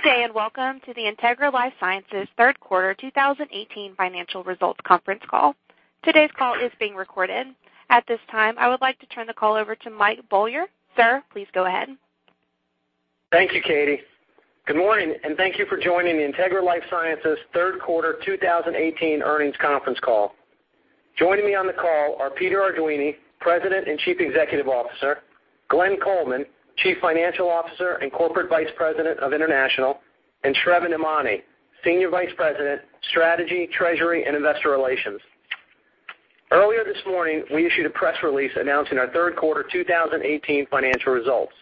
Good day and welcome to the Integra LifeSciences Third Quarter 2018 Financial Results Conference Call. Today's call is being recorded. At this time, I would like to turn the call over to Michael Beaulieu. Sir, please go ahead. Thank you, Katie. Good morning and thank you for joining the Integra LifeSciences Third Quarter 2018 Earnings Conference Call. Joining me on the call are Peter Arduini, President and Chief Executive Officer, Glenn Coleman, Chief Financial Officer and Corporate Vice President of International, and Sravan Emany, Senior Vice President, Strategy, Treasury, and Investor Relations. Earlier this morning, we issued a press release announcing our third quarter 2018 financial results.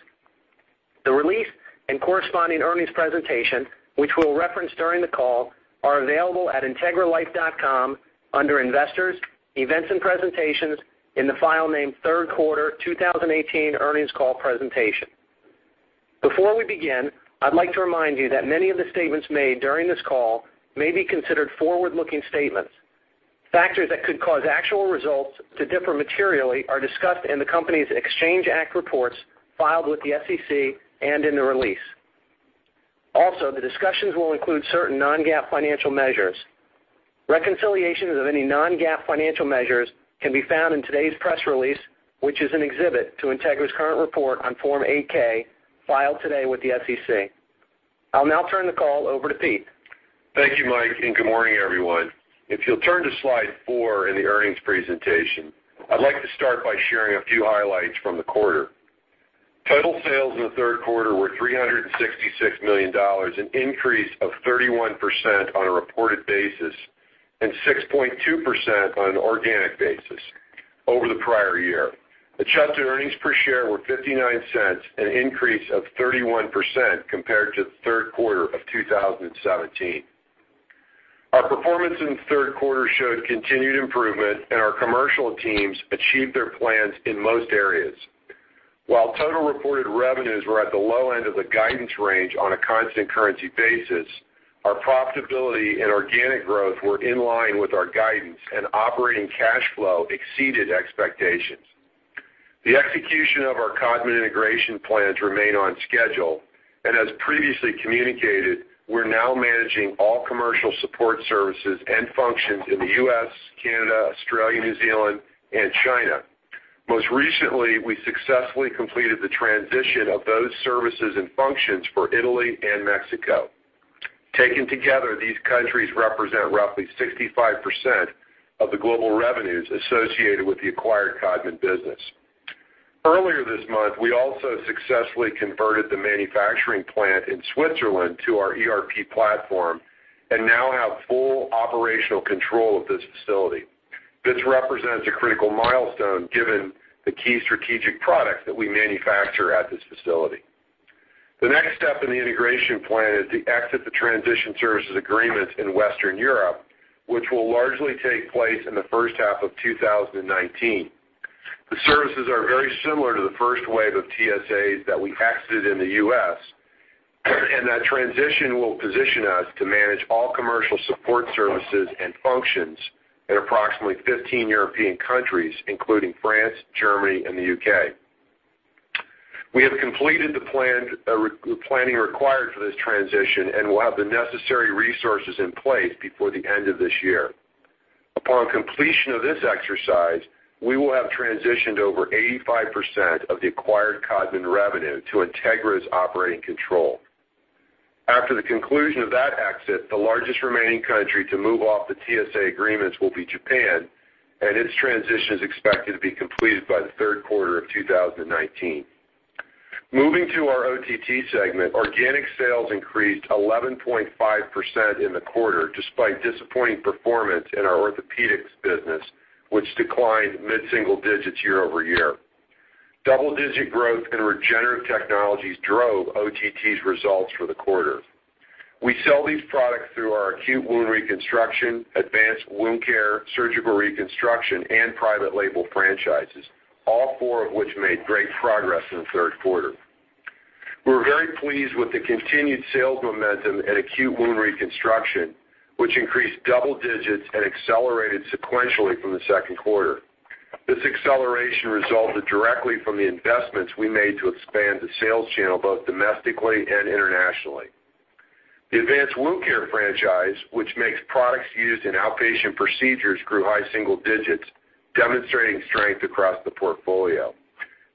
The release and corresponding earnings presentation, which we'll reference during the call, are available at integraLife.com under Investors, Events and Presentations, in the file named Third Quarter 2018 Earnings Call Presentation. Before we begin, I'd like to remind you that many of the statements made during this call may be considered forward-looking statements. Factors that could cause actual results to differ materially are discussed in the company's Exchange Act reports filed with the SEC and in the release. Also, the discussions will include certain non-GAAP financial measures. Reconciliations of any non-GAAP financial measures can be found in today's press release, which is an exhibit to Integra's current report on Form 8-K filed today with the SEC. I'll now turn the call over to Pete. Thank you, Mike, and good morning, everyone. If you'll turn to slide four in the earnings presentation, I'd like to start by sharing a few highlights from the quarter. Total sales in the third quarter were $366 million, an increase of 31% on a reported basis and 6.2% on an organic basis over the prior year. Adjusted earnings per share were $0.59, an increase of 31% compared to the third quarter of 2017. Our performance in the third quarter showed continued improvement, and our commercial teams achieved their plans in most areas. While total reported revenues were at the low end of the guidance range on a constant currency basis, our profitability and organic growth were in line with our guidance, and operating cash flow exceeded expectations. The execution of our Codman integration plans remained on schedule, and as previously communicated, we're now managing all commercial support services and functions in the U.S., Canada, Australia, New Zealand, and China. Most recently, we successfully completed the transition of those services and functions for Italy and Mexico. Taken together, these countries represent roughly 65% of the global revenues associated with the acquired Codman business. Earlier this month, we also successfully converted the manufacturing plant in Switzerland to our ERP platform and now have full operational control of this facility. This represents a critical milestone given the key strategic products that we manufacture at this facility. The next step in the integration plan is to exit the transition services agreement in Western Europe, which will largely take place in the first half of 2019. The services are very similar to the first wave of TSAs that we exited in the U.S., and that transition will position us to manage all commercial support services and functions in approximately 15 European countries, including France, Germany, and the U.K. We have completed the planning required for this transition and will have the necessary resources in place before the end of this year. Upon completion of this exercise, we will have transitioned over 85% of the acquired Codman revenue to Integra's operating control. After the conclusion of that exit, the largest remaining country to move off the TSA agreements will be Japan, and its transition is expected to be completed by the third quarter of 2019. Moving to our OTT segment, organic sales increased 11.5% in the quarter despite disappointing performance in our orthopedics business, which declined mid-single digits year-over-year. Double-digit growth in regenerative technologies drove OTT's results for the quarter. We sell these products through our acute wound reconstruction, advanced wound care, surgical reconstruction, and private label franchises, all four of which made great progress in the third quarter. We were very pleased with the continued sales momentum in acute wound reconstruction, which increased double digits and accelerated sequentially from the second quarter. This acceleration resulted directly from the investments we made to expand the sales channel both domestically and internationally. The advanced wound care franchise, which makes products used in outpatient procedures, grew high single digits, demonstrating strength across the portfolio.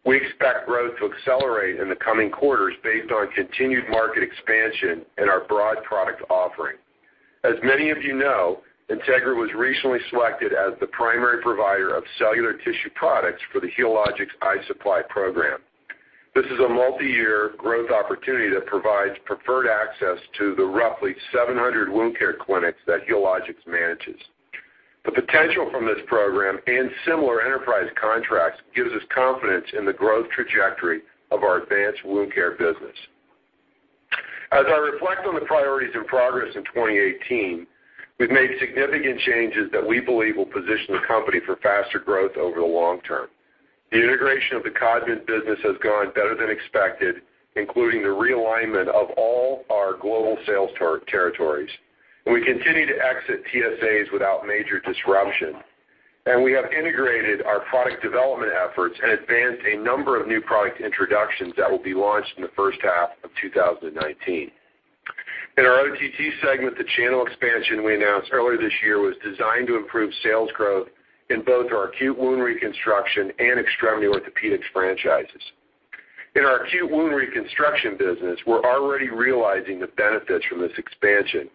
We expect growth to accelerate in the coming quarters based on continued market expansion and our broad product offering. As many of you know, Integra was recently selected as the primary provider of cellular tissue products for the Healogics iSupply program. This is a multi-year growth opportunity that provides preferred access to the roughly 700 wound care clinics that Healogics manages. The potential from this program and similar enterprise contracts gives us confidence in the growth trajectory of our advanced wound care business. As I reflect on the priorities and progress in 2018, we've made significant changes that we believe will position the company for faster growth over the long term. The integration of the Codman business has gone better than expected, including the realignment of all our global sales territories. We continue to exit TSAs without major disruption, and we have integrated our product development efforts and advanced a number of new product introductions that will be launched in the first half of 2019. In our OTT segment, the channel expansion we announced earlier this year was designed to improve sales growth in both our acute wound reconstruction and extremity orthopedics franchises. In our acute wound reconstruction business, we're already realizing the benefits from this expansion,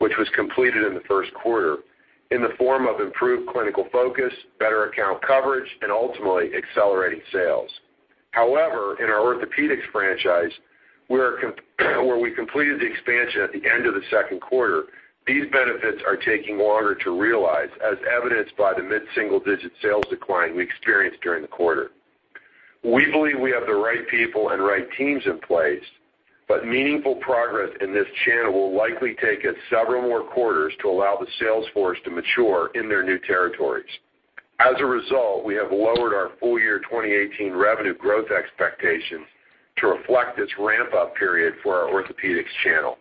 which was completed in the first quarter, in the form of improved clinical focus, better account coverage, and ultimately accelerating sales. However, in our orthopedics franchise, where we completed the expansion at the end of the second quarter, these benefits are taking longer to realize, as evidenced by the mid-single digit sales decline we experienced during the quarter. We believe we have the right people and right teams in place, but meaningful progress in this channel will likely take us several more quarters to allow the sales force to mature in their new territories. As a result, we have lowered our full year 2018 revenue growth expectations to reflect this ramp-up period for our orthopedics channel.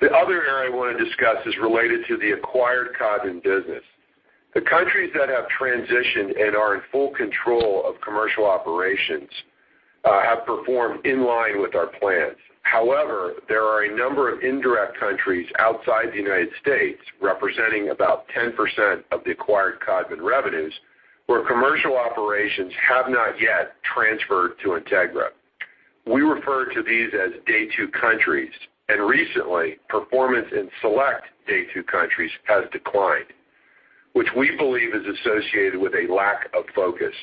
The other area I want to discuss is related to the acquired Codman business. The countries that have transitioned and are in full control of commercial operations have performed in line with our plans. However, there are a number of indirect countries outside the United States representing about 10% of the acquired Codman revenues where commercial operations have not yet transferred to Integra. We refer to these as Day 2 countries, and recently, performance in select Day 2 countries has declined, which we believe is associated with a lack of focus.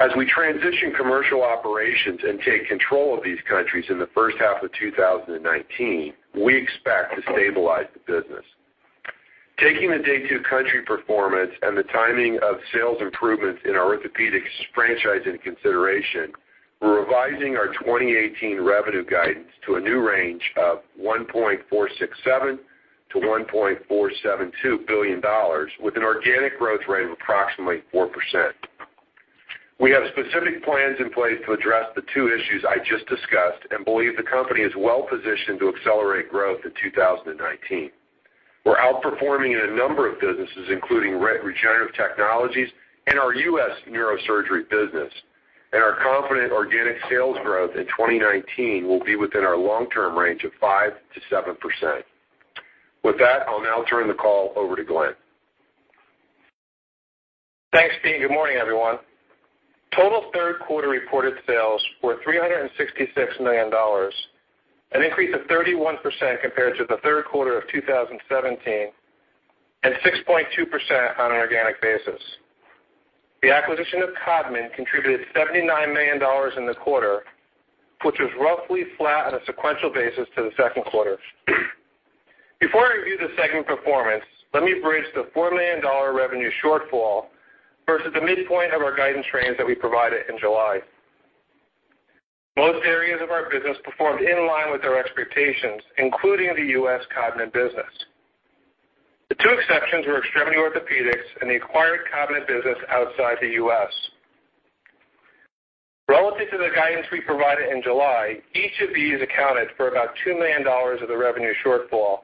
As we transition commercial operations and take control of these countries in the first half of 2019, we expect to stabilize the business. Taking the day-to-day country performance and the timing of sales improvements in our orthopedics franchise into consideration, we're revising our 2018 revenue guidance to a new range of $1.467-$1.472 billion, with an organic growth rate of approximately 4%. We have specific plans in place to address the two issues I just discussed and believe the company is well positioned to accelerate growth in 2019. We're outperforming in a number of businesses, including regenerative technologies and our U.S. neurosurgery business, and we're confident organic sales growth in 2019 will be within our long-term range of 5%-7%. With that, I'll now turn the call over to Glenn. Thanks, Pete. Good morning, everyone. Total third quarter reported sales were $366 million, an increase of 31% compared to the third quarter of 2017, and 6.2% on an organic basis. The acquisition of Codman contributed $79 million in the quarter, which was roughly flat on a sequential basis to the second quarter. Before I review the segment performance, let me bridge the $4 million revenue shortfall versus the midpoint of our guidance range that we provided in July. Most areas of our business performed in line with our expectations, including the U.S. Codman business. The two exceptions were extremity orthopedics and the acquired Codman business outside the U.S. Relative to the guidance we provided in July, each of these accounted for about $2 million of the revenue shortfall,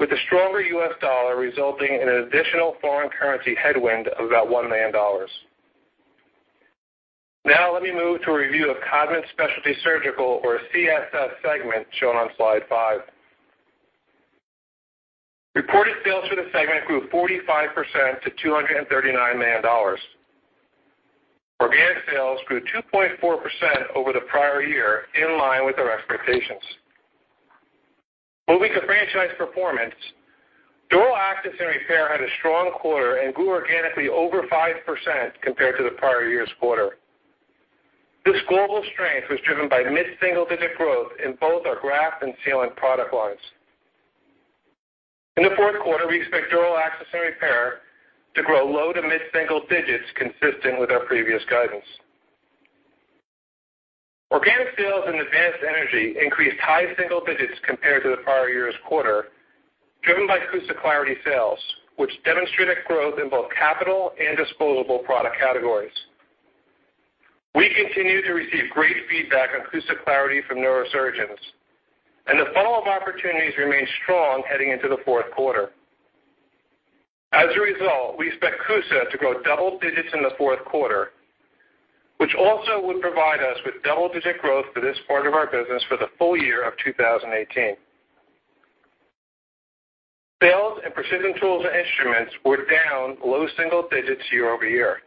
with the stronger U.S. dollar resulting in an additional foreign currency headwind of about $1 million. Now, let me move to a review of Codman Specialty Surgical, or CSS, segment shown on slide five. Reported sales for the segment grew 45% to $239 million. Organic sales grew 2.4% over the prior year, in line with our expectations. Moving to franchise performance, Dural Access and Repair had a strong quarter and grew organically over 5% compared to the prior year's quarter. This global strength was driven by mid-single digit growth in both our graft and sealant product lines. In the fourth quarter, we expect Dural Access and Repair to grow low to mid-single digits consistent with our previous guidance. Organic sales in advanced energy increased high single digits compared to the prior year's quarter, driven by CUSA Clarity sales, which demonstrated growth in both capital and disposable product categories. We continue to receive great feedback on CUSA Clarity from neurosurgeons, and the follow-up opportunities remain strong heading into the fourth quarter. As a result, we expect CUSA to grow double digits in the fourth quarter, which also would provide us with double-digit growth for this part of our business for the full year of 2018. Sales in precision tools and instruments were down low single digits year-over-year.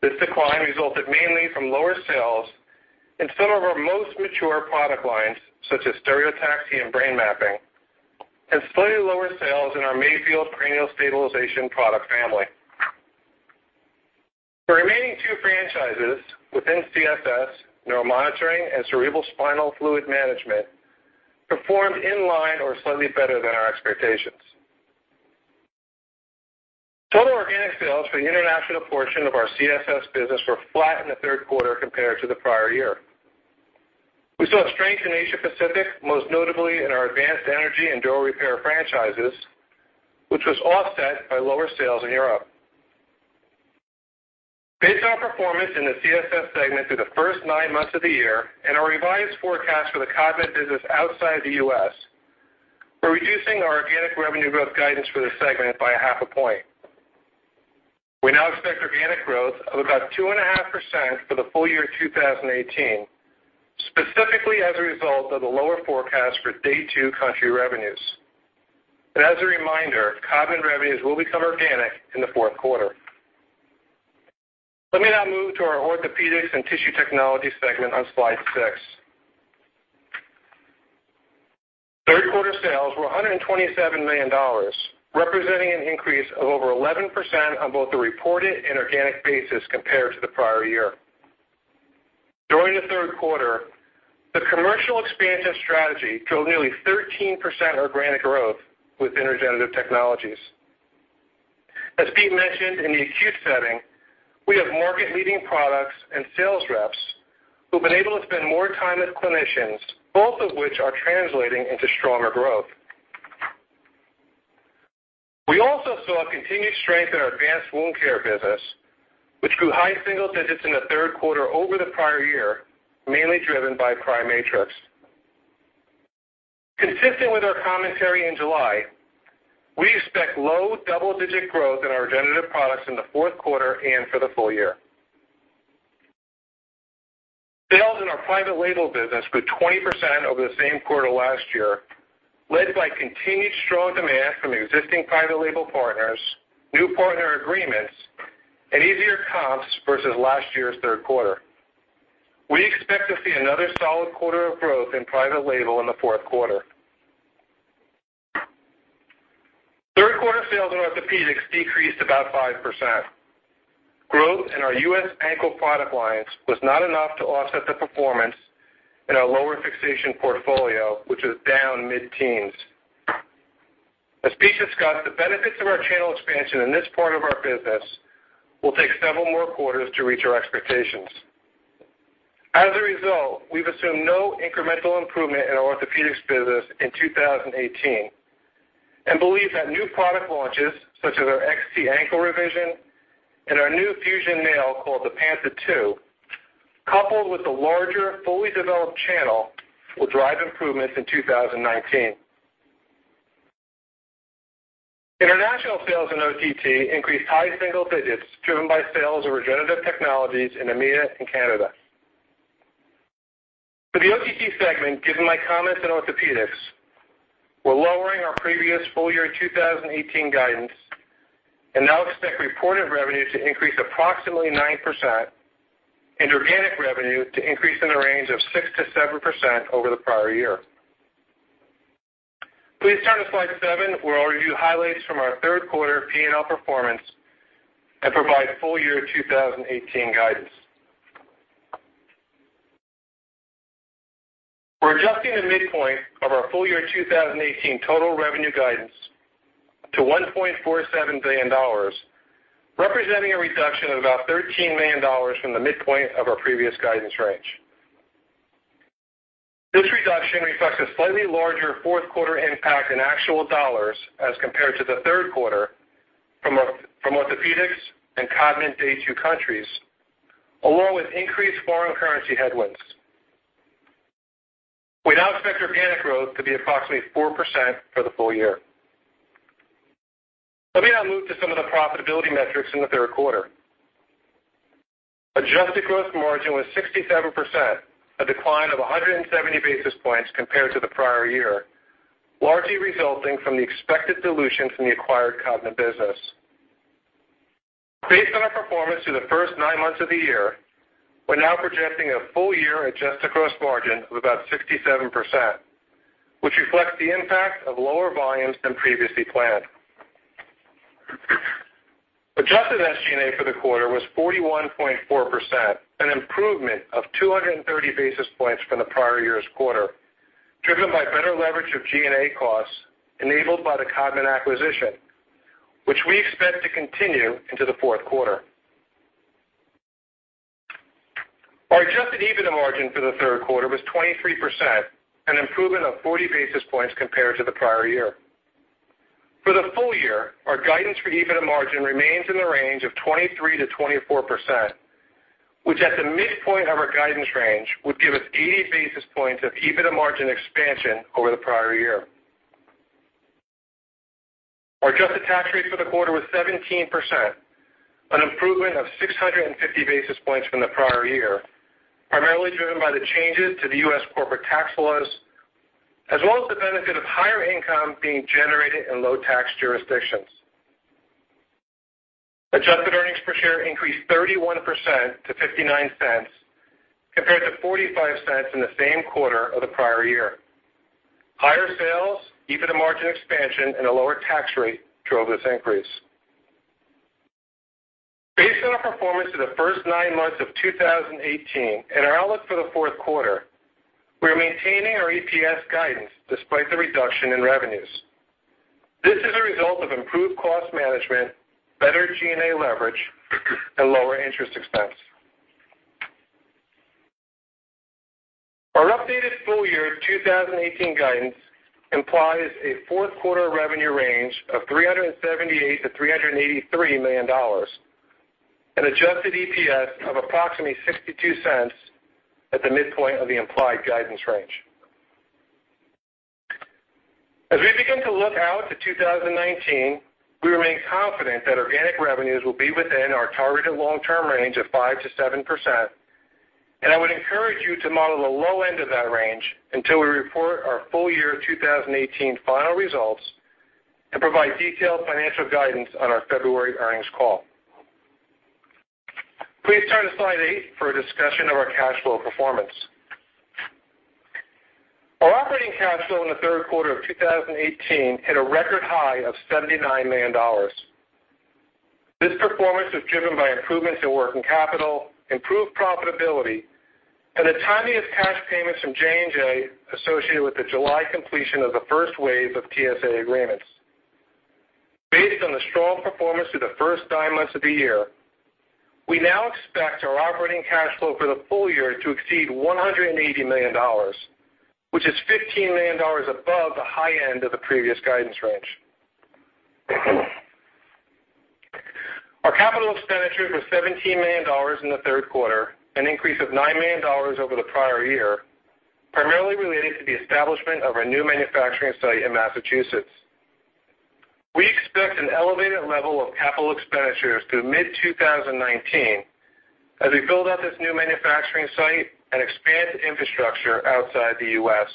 This decline resulted mainly from lower sales in some of our most mature product lines, such as stereotaxy and brain mapping, and slightly lower sales in our MAYFIELD cranial stabilization product family. The remaining two franchises within CSS, neuromonitoring and cerebrospinal fluid management, performed in line or slightly better than our expectations. Total organic sales for the international portion of our CSS business were flat in the third quarter compared to the prior year. We saw strength in Asia-Pacific, most notably in our advanced energy and dural repair franchises, which was offset by lower sales in Europe. Based on our performance in the CSS segment through the first nine months of the year and our revised forecast for the Codman business outside the U.S., we're reducing our organic revenue growth guidance for the segment by a half a point. We now expect organic growth of about 2.5% for the full year 2018, specifically as a result of the lower forecast for Day 2 country revenues. As a reminder, Codman revenues will become organic in the fourth quarter. Let me now move to our orthopedics and tissue technology segment on slide six. Third quarter sales were $127 million, representing an increase of over 11% on both the reported and organic basis compared to the prior year. During the third quarter, the commercial expansion strategy drove nearly 13% organic growth within regenerative technologies. As Pete mentioned, in the acute setting, we have market-leading products and sales reps who've been able to spend more time with clinicians, both of which are translating into stronger growth. We also saw continued strength in our advanced wound care business, which grew high single digits in the third quarter over the prior year, mainly driven by PriMatrix. Consistent with our commentary in July, we expect low double-digit growth in our regenerative products in the fourth quarter and for the full year. Sales in our private label business grew 20% over the same quarter last year, led by continued strong demand from existing private label partners, new partner agreements, and easier comps versus last year's third quarter. We expect to see another solid quarter of growth in private label in the fourth quarter. Third quarter sales in orthopedics decreased about 5%. Growth in our U.S. ankle product lines was not enough to offset the performance in our lower fixation portfolio, which is down mid-teens. As Pete discussed, the benefits of our channel expansion in this part of our business will take several more quarters to reach our expectations. As a result, we've assumed no incremental improvement in our orthopedics business in 2018 and believe that new product launches, such as our XT ankle revision and our new fusion nail called the Panta 2, coupled with the larger fully developed channel, will drive improvements in 2019. International sales in OTT increased high single digits driven by sales of regenerative technologies in EMEA and Canada. For the OTT segment, given my comments in orthopedics, we're lowering our previous full year 2018 guidance and now expect reported revenue to increase approximately 9% and organic revenue to increase in the range of 6%-7% over the prior year. Please turn to slide seven, where I'll review highlights from our third quarter P&L performance and provide full year 2018 guidance. We're adjusting the midpoint of our full year 2018 total revenue guidance to $1.47 billion, representing a reduction of about $13 million from the midpoint of our previous guidance range. This reduction reflects a slightly larger fourth quarter impact in actual dollars as compared to the third quarter from orthopedics and Codman Day 2 countries, along with increased foreign currency headwinds. We now expect organic growth to be approximately 4% for the full year. Let me now move to some of the profitability metrics in the third quarter. Adjusted gross margin was 67%, a decline of 170 basis points compared to the prior year, largely resulting from the expected dilution from the acquired Codman business. Based on our performance through the first nine months of the year, we're now projecting a full year adjusted gross margin of about 67%, which reflects the impact of lower volumes than previously planned. Adjusted SG&A for the quarter was 41.4%, an improvement of 230 basis points from the prior year's quarter, driven by better leverage of G&A costs enabled by the Codman acquisition, which we expect to continue into the fourth quarter. Our adjusted EBITDA margin for the third quarter was 23%, an improvement of 40 basis points compared to the prior year. For the full year, our guidance for EBITDA margin remains in the range of 23%-24%, which at the midpoint of our guidance range would give us 80 basis points of EBITDA margin expansion over the prior year. Our adjusted tax rate for the quarter was 17%, an improvement of 650 basis points from the prior year, primarily driven by the changes to the U.S. corporate tax laws, as well as the benefit of higher income being generated in low-tax jurisdictions. Adjusted earnings per share increased 31% to $0.59 compared to $0.45 in the same quarter of the prior year. Higher sales, EBITDA margin expansion, and a lower tax rate drove this increase. Based on our performance through the first nine months of 2018 and our outlook for the fourth quarter, we are maintaining our EPS guidance despite the reduction in revenues. This is a result of improved cost management, better G&A leverage, and lower interest expense. Our updated full year 2018 guidance implies a fourth quarter revenue range of $378 million-$383 million and adjusted EPS of approximately $0.62 at the midpoint of the implied guidance range. As we begin to look out to 2019, we remain confident that organic revenues will be within our targeted long-term range of 5%-7%, and I would encourage you to model the low end of that range until we report our full year 2018 final results and provide detailed financial guidance on our February earnings call. Please turn to slide eight for a discussion of our cash flow performance. Our operating cash flow in the third quarter of 2018 hit a record high of $79 million. This performance was driven by improvements in working capital, improved profitability, and the timeliest cash payments from J&J associated with the July completion of the first wave of TSA agreements. Based on the strong performance through the first nine months of the year, we now expect our operating cash flow for the full year to exceed $180 million, which is $15 million above the high end of the previous guidance range. Our capital expenditures were $17 million in the third quarter, an increase of $9 million over the prior year, primarily related to the establishment of a new manufacturing site in Massachusetts. We expect an elevated level of capital expenditures through mid-2019 as we build out this new manufacturing site and expand infrastructure outside the U.S.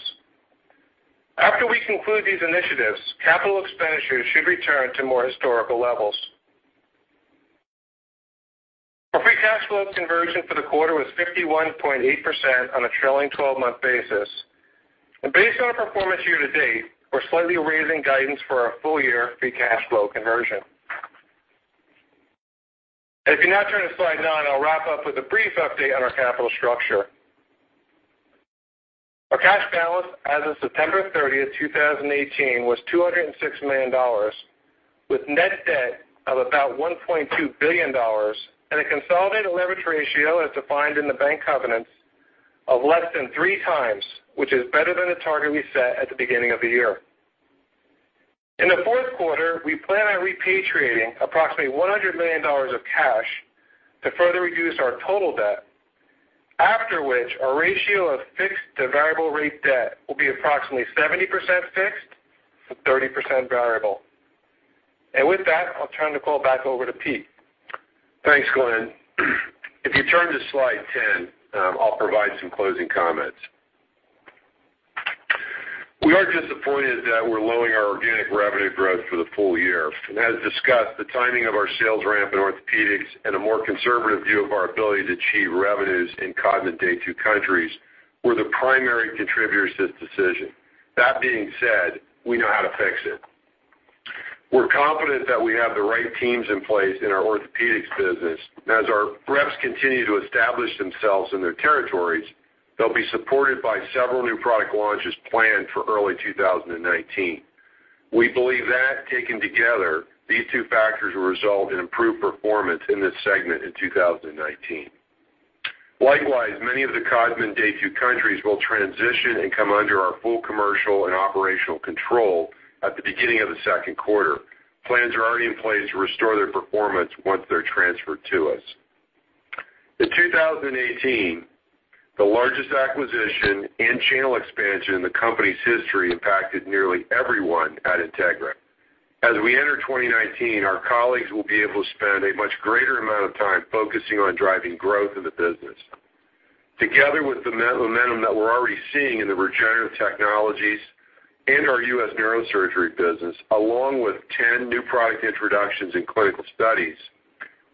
After we conclude these initiatives, capital expenditures should return to more historical levels. Our free cash flow conversion for the quarter was 51.8% on a trailing 12-month basis, and based on our performance year to date, we're slightly raising guidance for our full year free cash flow conversion. As you now turn to slide nine, I'll wrap up with a brief update on our capital structure. Our cash balance as of September 30, 2018, was $206 million, with net debt of about $1.2 billion, and a consolidated leverage ratio as defined in the bank covenants of less than three times, which is better than the target we set at the beginning of the year. In the fourth quarter, we plan on repatriating approximately $100 million of cash to further reduce our total debt, after which our ratio of fixed to variable rate debt will be approximately 70% fixed to 30% variable, and with that, I'll turn the call back over to Pete. Thanks, Glenn. If you turn to slide 10, I'll provide some closing comments. We are disappointed that we're lowering our organic revenue growth for the full year, and as discussed, the timing of our sales ramp in orthopedics and a more conservative view of our ability to achieve revenues in Codman Day 2 countries were the primary contributors to this decision. That being said, we know how to fix it. We're confident that we have the right teams in place in our orthopedics business, and as our reps continue to establish themselves in their territories, they'll be supported by several new product launches planned for early 2019. We believe that taken together, these two factors will result in improved performance in this segment in 2019. Likewise, many of the Codman Day 2 countries will transition and come under our full commercial and operational control at the beginning of the second quarter. Plans are already in place to restore their performance once they're transferred to us. In 2018, the largest acquisition and channel expansion in the company's history impacted nearly everyone at Integra. As we enter 2019, our colleagues will be able to spend a much greater amount of time focusing on driving growth in the business. Together with the momentum that we're already seeing in the regenerative technologies and our U.S. neurosurgery business, along with 10 new product introductions and clinical studies,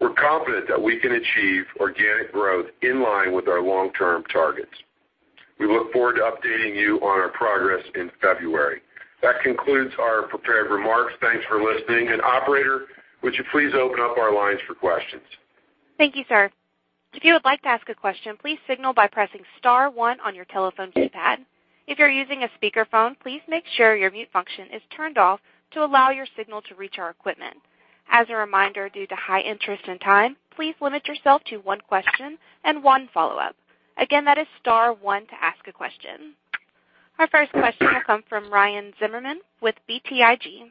we're confident that we can achieve organic growth in line with our long-term targets. We look forward to updating you on our progress in February. That concludes our prepared remarks. Thanks for listening. Operator, would you please open up our lines for questions? Thank you, sir. If you would like to ask a question, please signal by pressing star one on your telephone keypad. If you're using a speakerphone, please make sure your mute function is turned off to allow your signal to reach our equipment. As a reminder, due to high interest and time, please limit yourself to one question and one follow-up. Again, that is star one to ask a question. Our first question will come from Ryan Zimmerman with BTIG.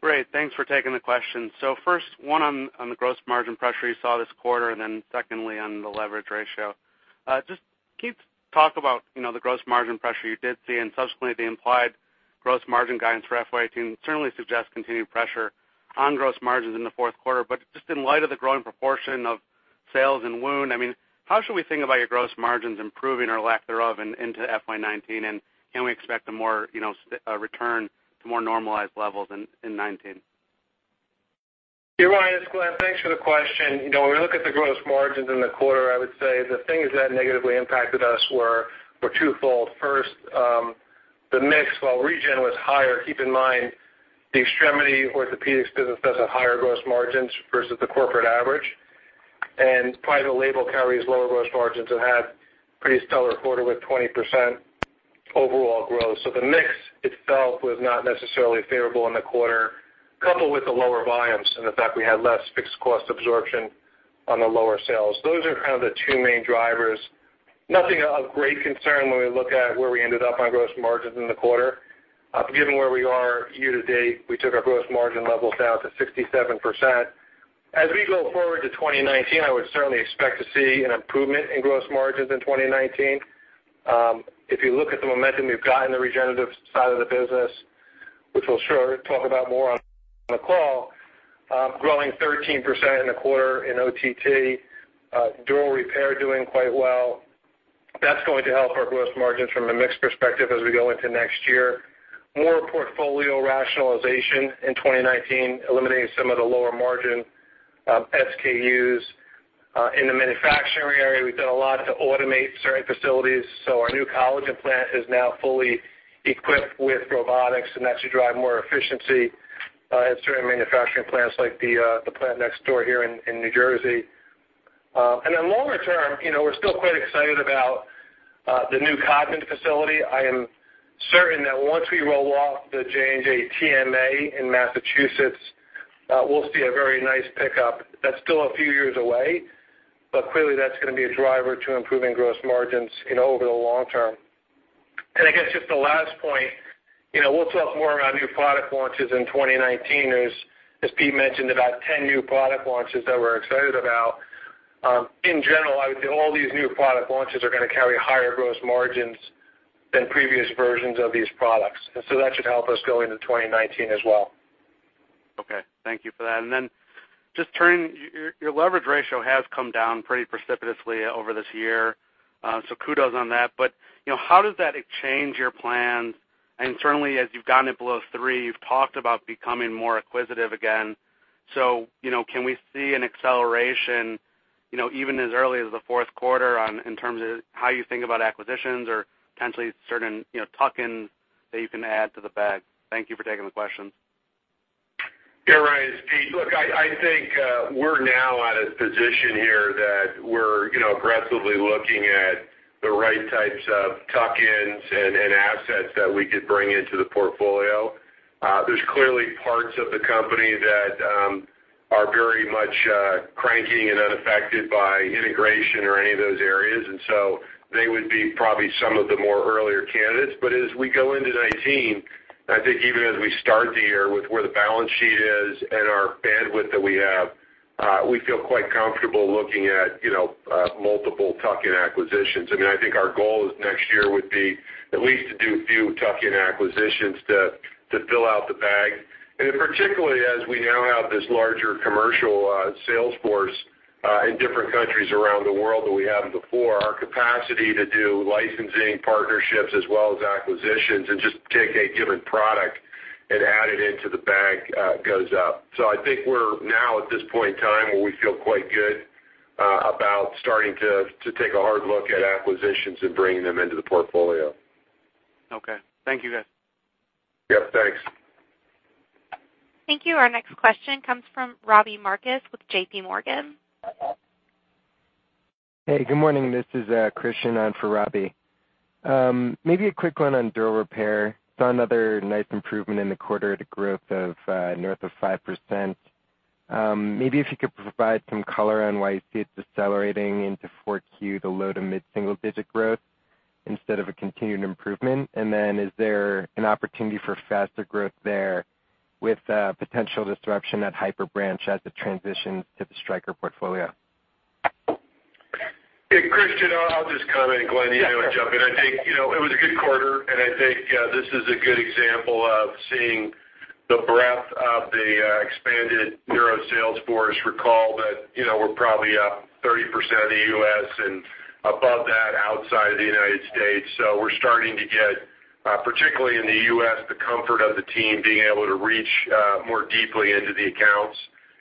Great. Thanks for taking the question. So first, one on the gross margin pressure you saw this quarter, and then secondly on the leverage ratio. Just can you talk about the gross margin pressure you did see and subsequently the implied gross margin guidance for FY 2018? Certainly suggests continued pressure on gross margins in the fourth quarter, but just in light of the growing proportion of sales in wound, I mean, how should we think about your gross margins improving or lack thereof into FY 2019? And can we expect a return to more normalized levels in 2019? You're right. It's Glenn. Thanks for the question. When we look at the gross margins in the quarter, I would say the things that negatively impacted us were twofold. First, the mix, while the region was higher, keep in mind the extremity orthopedics business does have higher gross margins versus the corporate average, and private label carries lower gross margins and had a pretty stellar quarter with 20% overall growth, so the mix itself was not necessarily favorable in the quarter, coupled with the lower volumes and the fact we had less fixed cost absorption on the lower sales. Those are kind of the two main drivers. Nothing of great concern when we look at where we ended up on gross margins in the quarter. Given where we are year to date, we took our gross margin levels down to 67%. As we go forward to 2019, I would certainly expect to see an improvement in gross margins in 2019. If you look at the momentum we've got in the regenerative side of the business, which we'll sure talk about more on the call, growing 13% in the quarter in OTT, dural repair doing quite well. That's going to help our gross margins from a mixed perspective as we go into next year. More portfolio rationalization in 2019, eliminating some of the lower margin SKUs. In the manufacturing area, we've done a lot to automate certain facilities. So our new collagen plant is now fully equipped with robotics and that should drive more efficiency at certain manufacturing plants like the plant next door here in New Jersey. Longer term, we're still quite excited about the new Codman facility. I am certain that once we roll off the J&J TMA in Massachusetts, we'll see a very nice pickup. That's still a few years away, but clearly that's going to be a driver to improving gross margins over the long term, and I guess just the last point, we'll talk more about new product launches in 2019. As Pete mentioned, about 10 new product launches that we're excited about. In general, I would say all these new product launches are going to carry higher gross margins than previous versions of these products, and so that should help us go into 2019 as well. Okay. Thank you for that. And then just turning, your leverage ratio has come down pretty precipitously over this year. So kudos on that. But how does that change your plans? And certainly, as you've gotten it below three, you've talked about becoming more acquisitive again. So can we see an acceleration even as early as the fourth quarter in terms of how you think about acquisitions or potentially certain tuck-ins that you can add to the bag? Thank you for taking the questions. You're right. It's Pete. Look, I think we're now at a position here that we're aggressively looking at the right types of tuck-ins and assets that we could bring into the portfolio. There's clearly parts of the company that are very much cranking and unaffected by integration or any of those areas, and so they would be probably some of the more earlier candidates, but as we go into 2019, I think even as we start the year with where the balance sheet is and our bandwidth that we have, we feel quite comfortable looking at multiple tuck-in acquisitions. I mean, I think our goal next year would be at least to do a few tuck-in acquisitions to fill out the bag. Particularly as we now have this larger commercial sales force in different countries around the world than we had before, our capacity to do licensing partnerships as well as acquisitions and just take a given product and add it into the bag goes up. I think we're now at this point in time where we feel quite good about starting to take a hard look at acquisitions and bringing them into the portfolio. Okay. Thank you, guys. Yep. Thanks. Thank you. Our next question comes from Robbie Marcus with JPMorgan. Hey, good morning. This is Christian. I'm for Robbie. Maybe a quick one on dural repair. Saw another nice improvement in the quarter at a growth of north of 5%. Maybe if you could provide some color on why you see it's accelerating into Q4, the low to mid single digit growth instead of a continued improvement. And then is there an opportunity for faster growth there with potential disruption at HyperBranch as it transitions to the Stryker portfolio? Yeah, Christian, I'll just comment. Glenn, you know, jump in. I think it was a good quarter, and I think this is a good example of seeing the breadth of the expanded neuro sales force. Recall that we're probably up 30% in the US and above that outside of the United States. So we're starting to get, particularly in the US, the comfort of the team being able to reach more deeply into the accounts.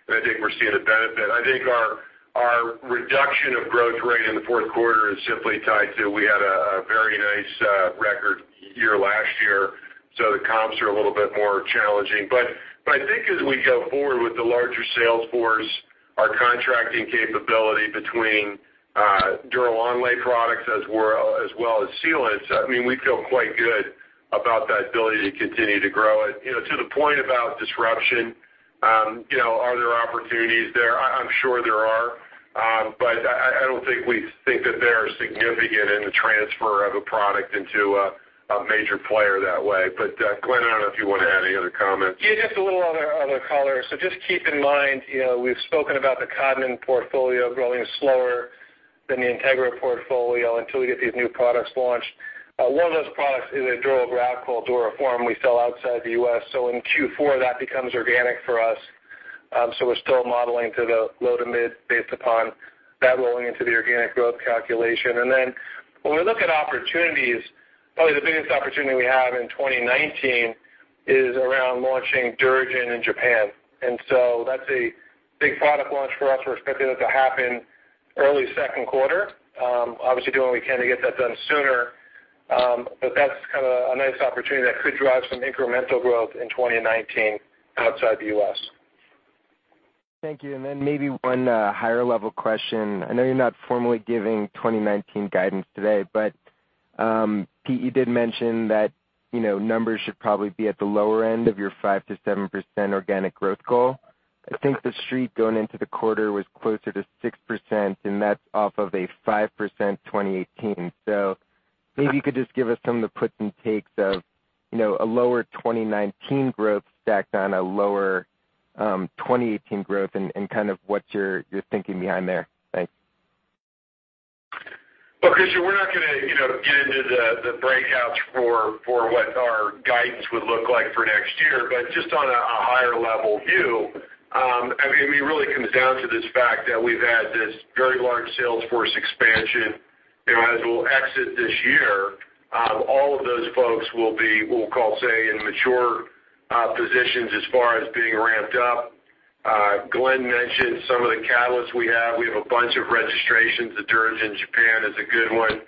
And I think we're seeing a benefit. I think our reduction of growth rate in the fourth quarter is simply tied to we had a very nice record year last year. So the comps are a little bit more challenging. But I think as we go forward with the larger sales force, our contracting capability between dural onlay products as well as sealants, I mean, we feel quite good about that ability to continue to grow it. To the point about disruption, are there opportunities there? I'm sure there are. But I don't think we think that they're significant in the transfer of a product into a major player that way. But Glenn, I don't know if you want to add any other comments. Yeah, just a little other color. So just keep in mind we've spoken about the Codman portfolio growing slower than the Integra portfolio until we get these new products launched. One of those products is a dural graft called DURAFORM. We sell outside the U.S. So in Q4, that becomes organic for us. So we're still modeling to the low to mid based upon that rolling into the organic growth calculation. And then when we look at opportunities, probably the biggest opportunity we have in 2019 is around launching DuraGen in Japan. And so that's a big product launch for us. We're expecting that to happen early second quarter. Obviously, doing what we can to get that done sooner. But that's kind of a nice opportunity that could drive some incremental growth in 2019 outside the U.S. Thank you. And then maybe one higher level question. I know you're not formally giving 2019 guidance today, but Pete, you did mention that numbers should probably be at the lower end of your 5%-7% organic growth goal. I think the street going into the quarter was closer to 6%, and that's off of a 5% 2018. So maybe you could just give us some of the puts and takes of a lower 2019 growth stacked on a lower 2018 growth and kind of what you're thinking behind there. Thanks. Christian, we're not going to get into the breakouts for what our guidance would look like for next year. But just on a higher level view, I mean, it really comes down to this fact that we've had this very large sales force expansion as we'll exit this year. All of those folks will be, we'll call, say, in mature positions as far as being ramped up. Glenn mentioned some of the catalysts we have. We have a bunch of registrations. The DuraGen in Japan is a good one.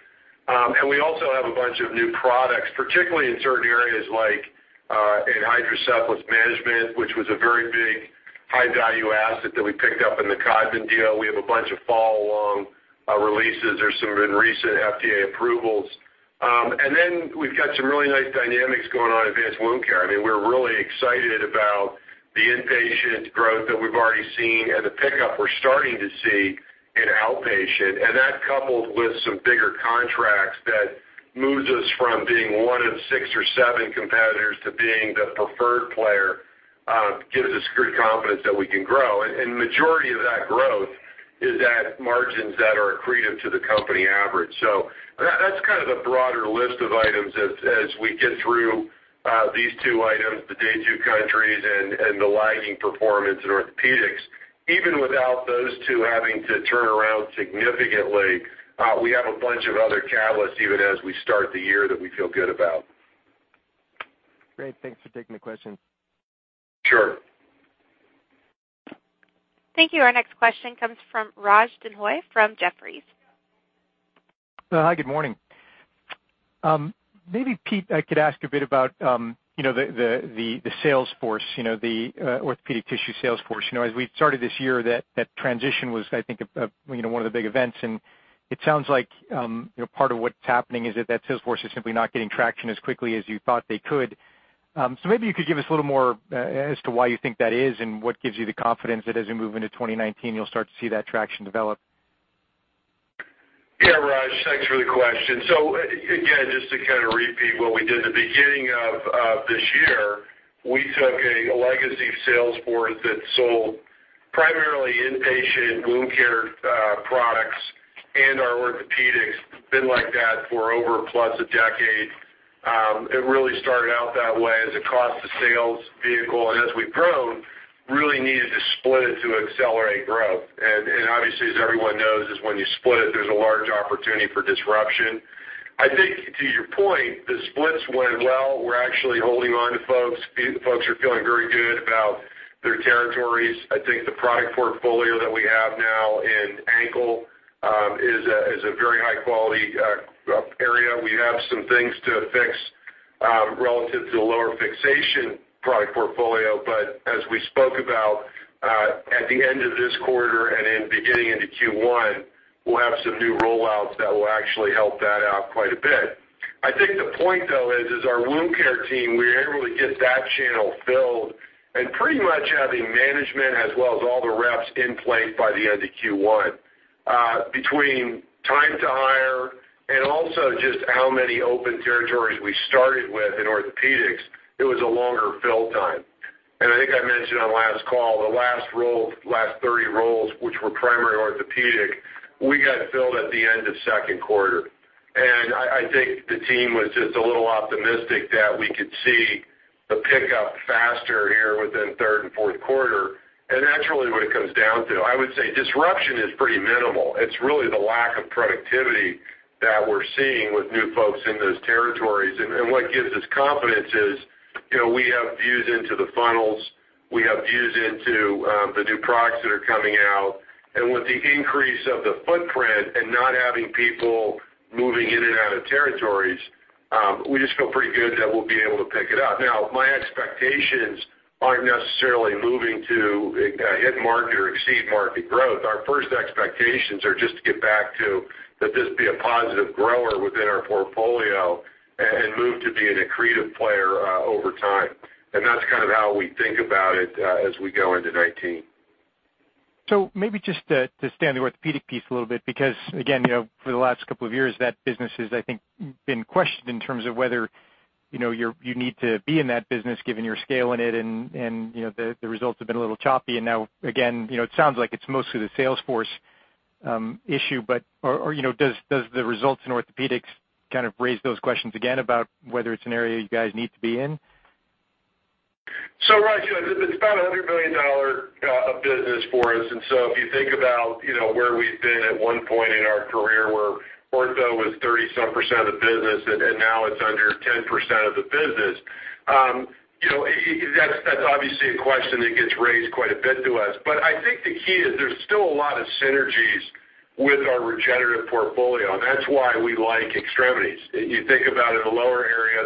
And we also have a bunch of new products, particularly in certain areas like in hydrocephalus management, which was a very big high value asset that we picked up in the Codman deal. We have a bunch of follow-along releases. There's some recent FDA approvals. And then we've got some really nice dynamics going on in advanced wound care. I mean, we're really excited about the inpatient growth that we've already seen and the pickup we're starting to see in outpatient. And that coupled with some bigger contracts that moves us from being one of six or seven competitors to being the preferred player gives us good confidence that we can grow. And the majority of that growth is at margins that are accretive to the company average. So that's kind of the broader list of items as we get through these two items, the Day 2 countries and the lagging performance in orthopedics. Even without those two having to turn around significantly, we have a bunch of other catalysts even as we start the year that we feel good about. Great. Thanks for taking the question. Sure. Thank you. Our next question comes from Raj Denhoy from Jefferies. Hi, good morning. Maybe Pete could ask a bit about the sales force, the orthopedic tissue sales force. As we started this year, that transition was, I think, one of the big events. And it sounds like part of what's happening is that that sales force is simply not getting traction as quickly as you thought they could. So maybe you could give us a little more as to why you think that is and what gives you the confidence that as we move into 2019, you'll start to see that traction develop. Yeah, Raj, thanks for the question, so again, just to kind of repeat what we did at the beginning of this year, we took a legacy sales force that sold primarily inpatient wound care products and our orthopedics, been like that for over plus a decade. It really started out that way as a cost to sales vehicle, and as we've grown, really needed to split it to accelerate growth, and obviously, as everyone knows, when you split it, there's a large opportunity for disruption. I think to your point, the splits went well. We're actually holding on to folks. Folks are feeling very good about their territories. I think the product portfolio that we have now in ankle is a very high quality area. We have some things to fix relative to the lower fixation product portfolio. But as we spoke about, at the end of this quarter and beginning into Q1, we'll have some new rollouts that will actually help that out quite a bit. I think the point though is our wound care team. We were able to get that channel filled and pretty much have a management as well as all the reps in place by the end of Q1. Between time to hire and also just how many open territories we started with in orthopedics, it was a longer fill time. And I think I mentioned on last call, the last roll, last 30 rolls, which were primary orthopedic, we got filled at the end of second quarter. And I think the team was just a little optimistic that we could see the pickup faster here within third and fourth quarter. And that's really what it comes down to. I would say disruption is pretty minimal. It's really the lack of productivity that we're seeing with new folks in those territories. And what gives us confidence is we have views into the funnels. We have views into the new products that are coming out. And with the increase of the footprint and not having people moving in and out of territories, we just feel pretty good that we'll be able to pick it up. Now, my expectations aren't necessarily moving to hit market or exceed market growth. Our first expectations are just to get back to, does this be a positive grower within our portfolio and move to be an accretive player over time? And that's kind of how we think about it as we go into 2019. So maybe just to stay on the orthopedic piece a little bit, because again, for the last couple of years, that business has I think been questioned in terms of whether you need to be in that business given your scale in it. And the results have been a little choppy. And now again, it sounds like it's mostly the sales force issue. But does the results in orthopedics kind of raise those questions again about whether it's an area you guys need to be in? So Raj, it's about $100 million of business for us. And so if you think about where we've been at one point in our career where ortho was 30-some percent of the business and now it's under 10% of the business, that's obviously a question that gets raised quite a bit to us. But I think the key is there's still a lot of synergies with our regenerative portfolio. And that's why we like extremities. You think about it in the lower area,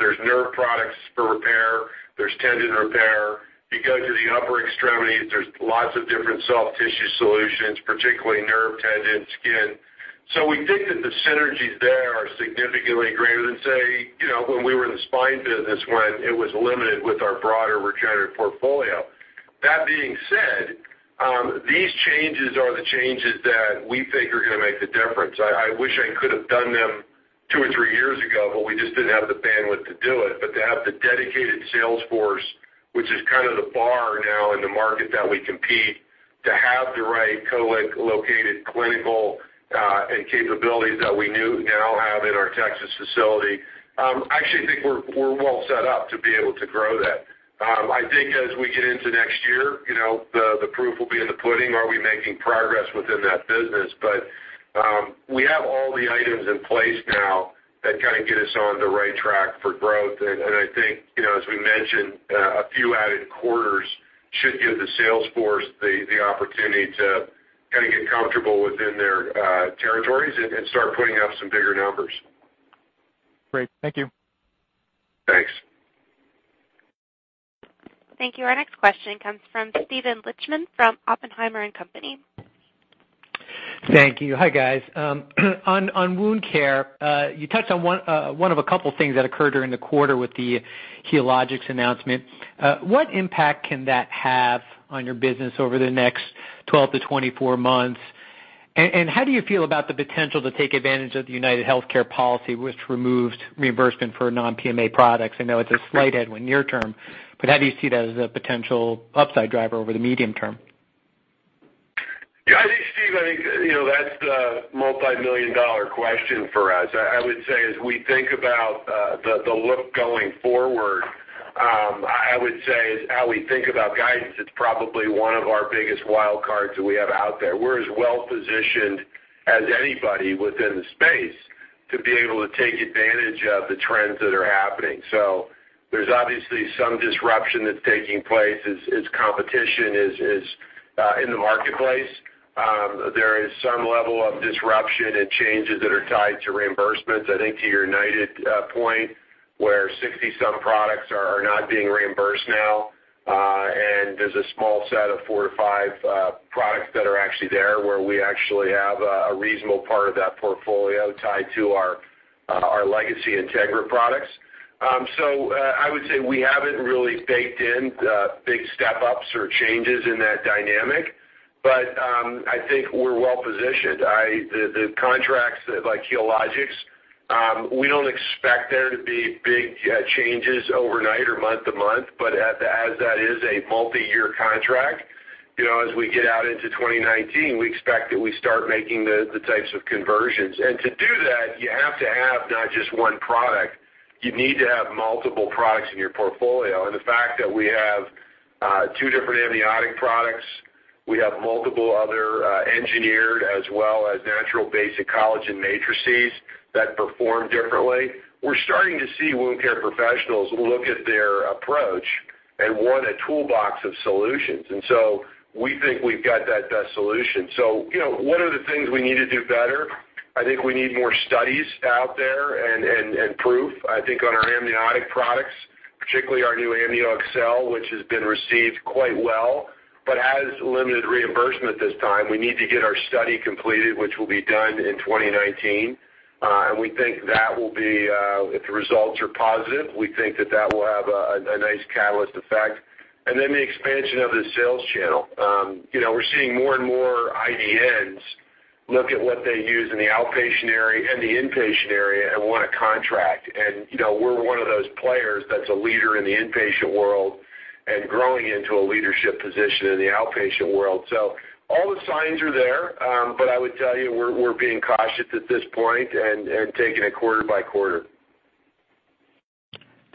there's nerve products for repair. There's tendon repair. You go to the upper extremities, there's lots of different soft tissue solutions, particularly nerve, tendon, skin. So we think that the synergies there are significantly greater than, say, when we were in the spine business when it was limited with our broader regenerative portfolio. That being said, these changes are the changes that we think are going to make the difference. I wish I could have done them two or three years ago, but we just didn't have the bandwidth to do it. But to have the dedicated sales force, which is kind of the bar now in the market that we compete, to have the right co-located clinical and capabilities that we now have in our Texas facility, I actually think we're well set up to be able to grow that. I think as we get into next year, the proof will be in the pudding. Are we making progress within that business? But we have all the items in place now that kind of get us on the right track for growth. And I think, as we mentioned, a few added quarters should give the sales force the opportunity to kind of get comfortable within their territories and start putting up some bigger numbers. Great. Thank you. Thanks. Thank you. Our next question comes from Steven Lichtman from Oppenheimer and Company. Thank you. Hi guys. On wound care, you touched on one of a couple of things that occurred during the quarter with the Healogics announcement. What impact can that have on your business over the next 12-24 months? And how do you feel about the potential to take advantage of the UnitedHealthcare policy, which removes reimbursement for non-PMA products? I know it's a slight headwind near term, but how do you see that as a potential upside driver over the medium term? I think, Steve, I think that's the multi-million dollar question for us. I would say as we think about the outlook going forward, I would say as how we think about guidance, it's probably one of our biggest wild cards that we have out there. We're as well positioned as anybody within the space to be able to take advantage of the trends that are happening. So there's obviously some disruption that's taking place. There's competition in the marketplace. There is some level of disruption and changes that are tied to reimbursements. I think to your United point where 60-some products are not being reimbursed now, and there's a small set of four to five products that are actually there where we actually have a reasonable part of that portfolio tied to our legacy Integra products. So I would say we haven't really baked in big step-ups or changes in that dynamic. But I think we're well positioned. The contracts like Healogics, we don't expect there to be big changes overnight or month to month. But as that is a multi-year contract, as we get out into 2019, we expect that we start making the types of conversions. And to do that, you have to have not just one product. You need to have multiple products in your portfolio. And the fact that we have two different amniotic products, we have multiple other engineered as well as natural basic collagen matrices that perform differently. We're starting to see wound care professionals look at their approach and want a toolbox of solutions. And so we think we've got that best solution. So what are the things we need to do better? I think we need more studies out there and proof. I think on our amniotic products, particularly our new AmnioExcel, which has been received quite well, but has limited reimbursement this time. We need to get our study completed, which will be done in 2019, and we think that will be, if the results are positive, we think that that will have a nice catalyst effect, and then the expansion of the sales channel. We're seeing more and more IDNs look at what they use in the outpatient area and the inpatient area and want a contract, and we're one of those players that's a leader in the inpatient world and growing into a leadership position in the outpatient world, so all the signs are there, but I would tell you we're being cautious at this point and taking it quarter by quarter.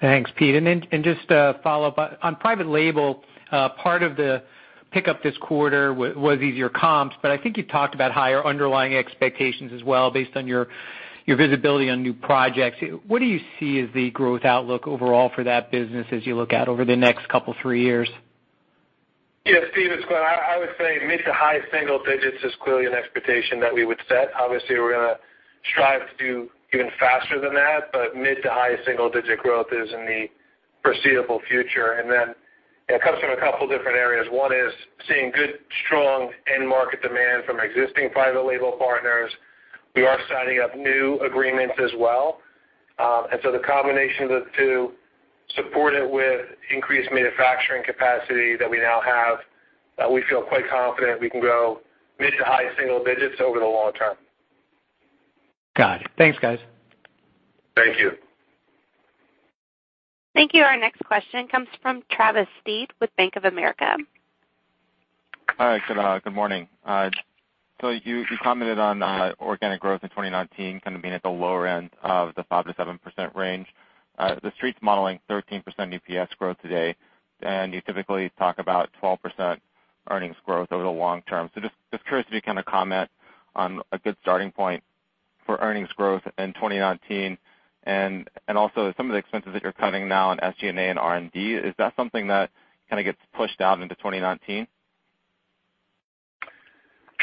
Thanks, Pete, and just to follow up on private label, part of the pickup this quarter was easier comps, but I think you talked about higher underlying expectations as well based on your visibility on new projects. What do you see as the growth outlook overall for that business as you look out over the next couple, three years? Yeah, Steven, I would say mid to high single digits is clearly an expectation that we would set. Obviously, we're going to strive to do even faster than that. But mid to high single digit growth is in the foreseeable future. And then it comes from a couple of different areas. One is seeing good, strong end market demand from existing private label partners. We are signing up new agreements as well. And so the combination of the two, supported with increased manufacturing capacity that we now have, we feel quite confident we can go mid-to-high single digits over the long term. Got it. Thanks, guys. Thank you. Thank you. Our next question comes from Travis Steed with Bank of America. Hi, good morning. So you commented on organic growth in 2019 kind of being at the lower end of the 5%-7% range. The Street's modeling 13% EPS growth today. And you typically talk about 12% earnings growth over the long term. So just curious if you can kind of comment on a good starting point for earnings growth in 2019. And also some of the expenses that you're cutting now in SG&A and R&D, is that something that kind of gets pushed out into 2019? Travis, so it's Glenn.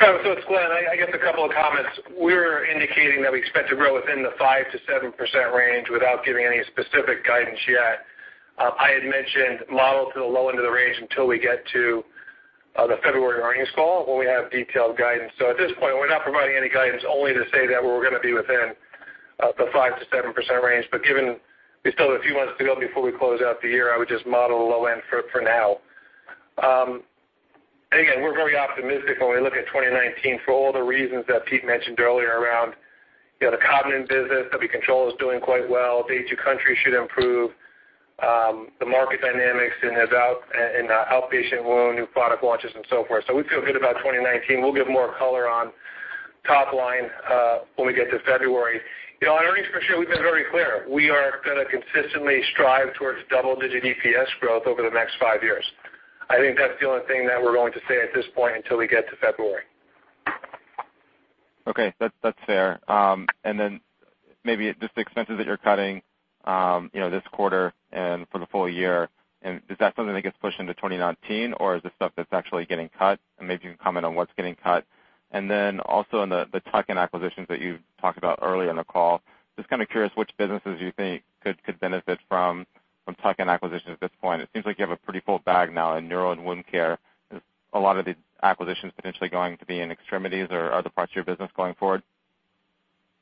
I guess a couple of comments. We're indicating that we expect to grow within the 5%-7% range without giving any specific guidance yet. I had mentioned, model to the low end of the range until we get to the February earnings call where we have detailed guidance, so at this point, we're not providing any guidance only to say that we're going to be within the 5%-7% range. But given we still have a few months to go before we close out the year, I would just model the low end for now, and again, we're very optimistic when we look at 2019 for all the reasons that Pete mentioned earlier around the Codman in business that we control is doing quite well. International should improve. The market dynamics in outpatient wound, new product launches, and so forth. So we feel good about 2019. We'll give more color on top line when we get to February. On earnings for sure, we've been very clear. We are going to consistently strive towards double-digit EPS growth over the next five years. I think that's the only thing that we're going to say at this point until we get to February. Okay. That's fair. And then maybe just the expenses that you're cutting this quarter and for the full year, is that something that gets pushed into 2019? Or is it stuff that's actually getting cut? And maybe you can comment on what's getting cut. And then also in the tuck-in acquisitions that you talked about earlier in the call, just kind of curious which businesses you think could benefit from tuck-in acquisitions at this point. It seems like you have a pretty full bag now in neuro and wound care. Is a lot of the acquisitions potentially going to be in extremities or other parts of your business going forward?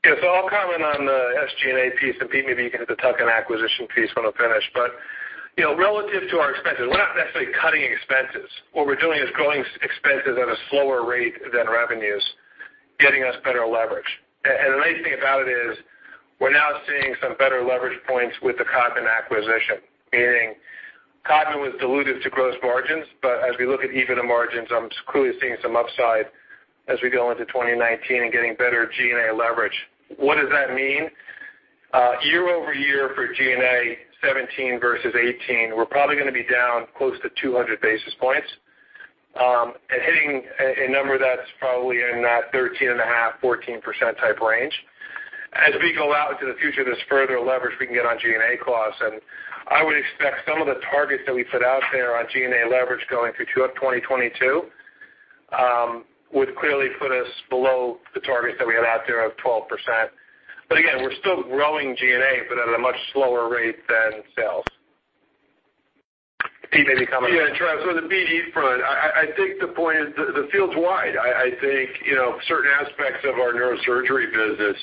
Yeah, so I'll comment on the SG&A piece. And Pete, maybe you can hit the tuck-in acquisition piece when I'm finished, but relative to our expenses, we're not necessarily cutting expenses. What we're doing is growing expenses at a slower rate than revenues, getting us better leverage, and the nice thing about it is we're now seeing some better leverage points with the Codman acquisition, meaning Codman was diluted to gross margins, but as we look at even the margins, I'm clearly seeing some upside as we go into 2019 and getting better G&A leverage. What does that mean? Year-over-year for G&A, 2017 versus 2018, we're probably going to be down close to 200 basis points and hitting a number that's probably in that 13.5%-14% type range. As we go out into the future, there's further leverage we can get on G&A costs. I would expect some of the targets that we put out there on G&A leverage going through 2022 would clearly put us below the targets that we had out there of 12%. But again, we're still growing G&A, but at a much slower rate than sales. Pete, maybe you can comment on that. Yeah. Travis, so the BE front, I think the point is the field's wide. I think certain aspects of our neurosurgery business,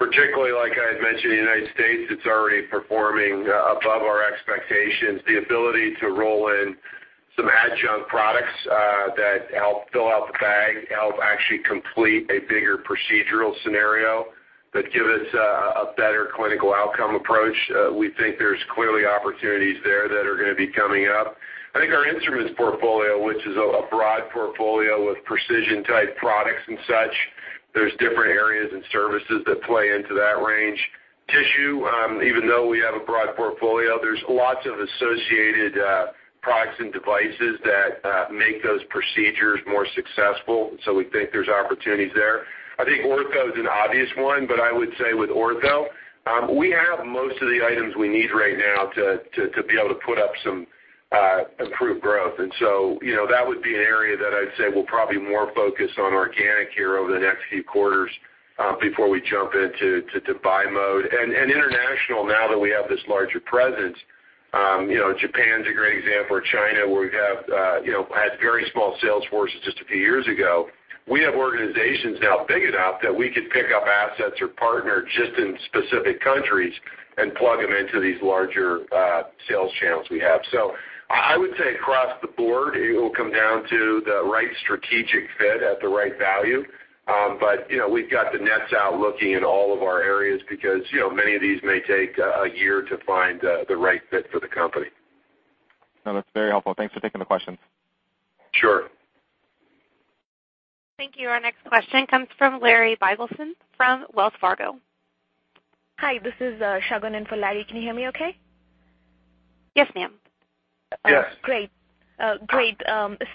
particularly like I had mentioned in the United States, it's already performing above our expectations. The ability to roll in some adjunct products that help fill out the bag, help actually complete a bigger procedural scenario that gives us a better clinical outcome approach. We think there's clearly opportunities there that are going to be coming up. I think our instruments portfolio, which is a broad portfolio with precision-type products and such, there's different areas and services that play into that range. Tissue, even though we have a broad portfolio, there's lots of associated products and devices that make those procedures more successful, so we think there's opportunities there. I think ortho is an obvious one, but I would say with ortho, we have most of the items we need right now to be able to put up some improved growth, and so that would be an area that I'd say we'll probably more focus on organic here over the next few quarters before we jump into buy mode, and international, now that we have this larger presence, Japan's a great example, or China where we had very small sales forces just a few years ago. We have organizations now big enough that we could pick up assets or partner just in specific countries and plug them into these larger sales channels we have. So I would say across the board, it will come down to the right strategic fit at the right value. But we've got the nets out looking in all of our areas because many of these may take a year to find the right fit for the company. No, that's very helpful. Thanks for taking the questions. Sure. Thank you. Our next question comes from Larry Biegelsen from Wells Fargo. Hi. This is Shagunen Fuladi. Can you hear me okay? Yes, ma'am. Yes. Great. Great.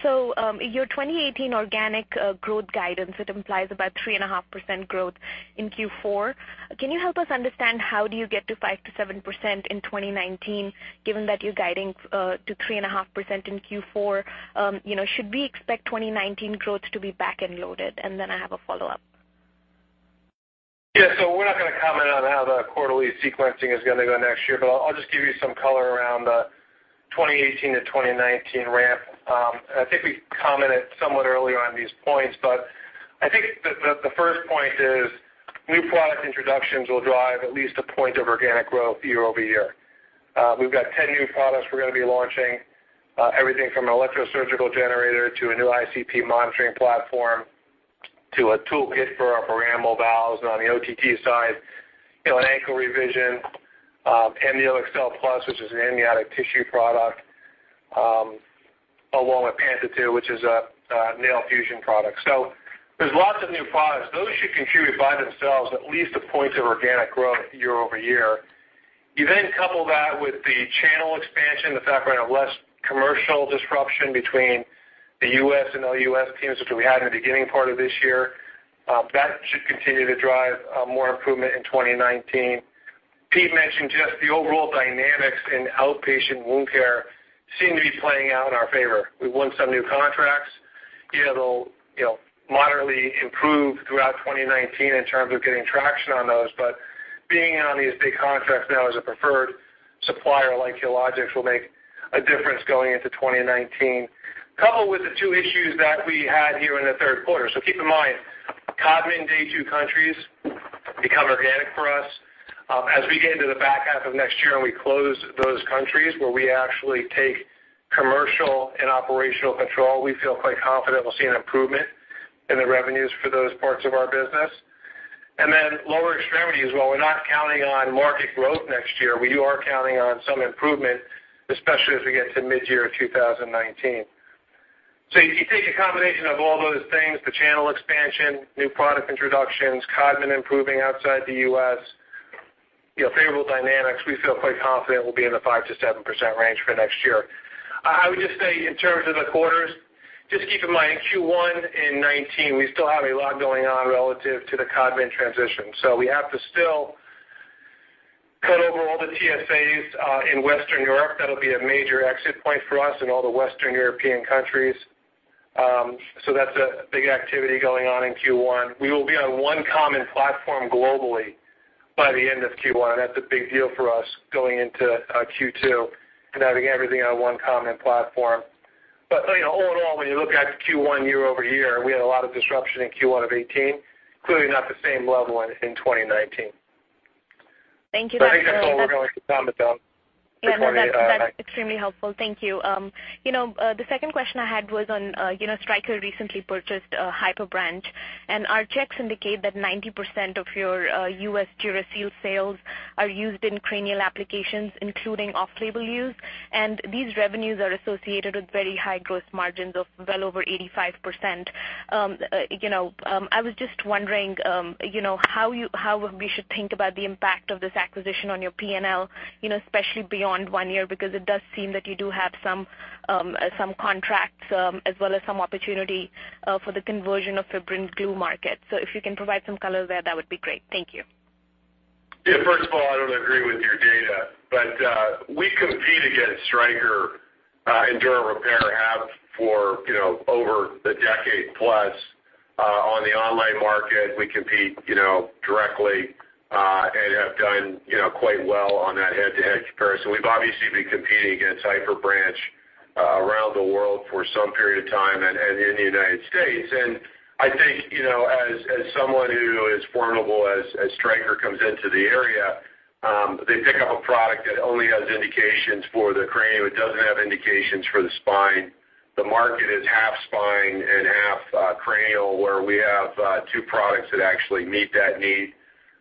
So your 2018 organic growth guidance, it implies about 3.5% growth in Q4. Can you help us understand how do you get to 5%-7% in 2019, given that you're guiding to 3.5% in Q4? Should we expect 2019 growth to be back-loaded? And then I have a follow-up. Yeah. So we're not going to comment on how the quarterly sequencing is going to go next year. But I'll just give you some color around the 2018 to 2019 ramp. And I think we commented somewhat earlier on these points. But I think the first point is new product introductions will drive at least a point of organic growth year-over-year. We've got 10 new products we're going to be launching, everything from an electrosurgical generator to a new ICP monitoring platform to a toolkit for our programmable valves on the OTT side, an ankle revision, AmnioExcel Plus, which is an amniotic tissue product, along with Panta 2, which is a nail fusion product. So there's lots of new products. Those should contribute by themselves at least a point of organic growth year-over-year. You then couple that with the channel expansion, the fact we're in a less commercial disruption between the U.S. and LUS teams, which we had in the beginning part of this year. That should continue to drive more improvement in 2019. Pete mentioned just the overall dynamics in outpatient wound care seem to be playing out in our favor. We've won some new contracts. They'll moderately improve throughout 2019 in terms of getting traction on those. But being on these big contracts now as a preferred supplier like Healogics will make a difference going into 2019, coupled with the two issues that we had here in the third quarter, so keep in mind, Codman Day 2 countries become organic for us. As we get into the back half of next year and we close those countries where we actually take commercial and operational control, we feel quite confident we'll see an improvement in the revenues for those parts of our business. And then lower extremities, while we're not counting on market growth next year, we are counting on some improvement, especially as we get to mid-year 2019. So you take a combination of all those things, the channel expansion, new product introductions, Codman improving outside the U.S., favorable dynamics, we feel quite confident we'll be in the 5%-7% range for next year. I would just say in terms of the quarters, just keep in mind in Q1 in 2019, we still have a lot going on relative to the Codman transition. So we have to still cut over all the TSAs in Western Europe. That'll be a major exit point for us in all the Western European countries. So that's a big activity going on in Q1. We will be on one common platform globally by the end of Q1. And that's a big deal for us going into Q2 and having everything on one common platform. But all in all, when you look at Q1 year-over-year, we had a lot of disruption in Q1 of 2018, clearly not the same level in 2019. Thank you. So I think that's all we're going to comment on. Yeah. No, that's extremely helpful. Thank you. The second question I had was on Stryker recently purchasing HyperBranch. Our checks indicate that 90% of your U.S. DuraSeal sales are used in cranial applications, including off-label use. These revenues are associated with very high gross margins of well over 85%. I was just wondering how we should think about the impact of this acquisition on your P&L, especially beyond one year, because it does seem that you do have some contracts as well as some opportunity for the conversion of the fibrin glue market. So if you can provide some color there, that would be great. Thank you. Yeah. First of all, I don't agree with your data. But we compete against Stryker and Durepair have for over a decade plus on the dural market. We compete directly and have done quite well on that head-to-head comparison. We've obviously been competing against HyperBranch around the world for some period of time and in the United States. And I think as someone who is formidable as Stryker comes into the area, they pick up a product that only has indications for the cranium. It doesn't have indications for the spine. The market is half spine and half cranial, where we have two products that actually meet that need.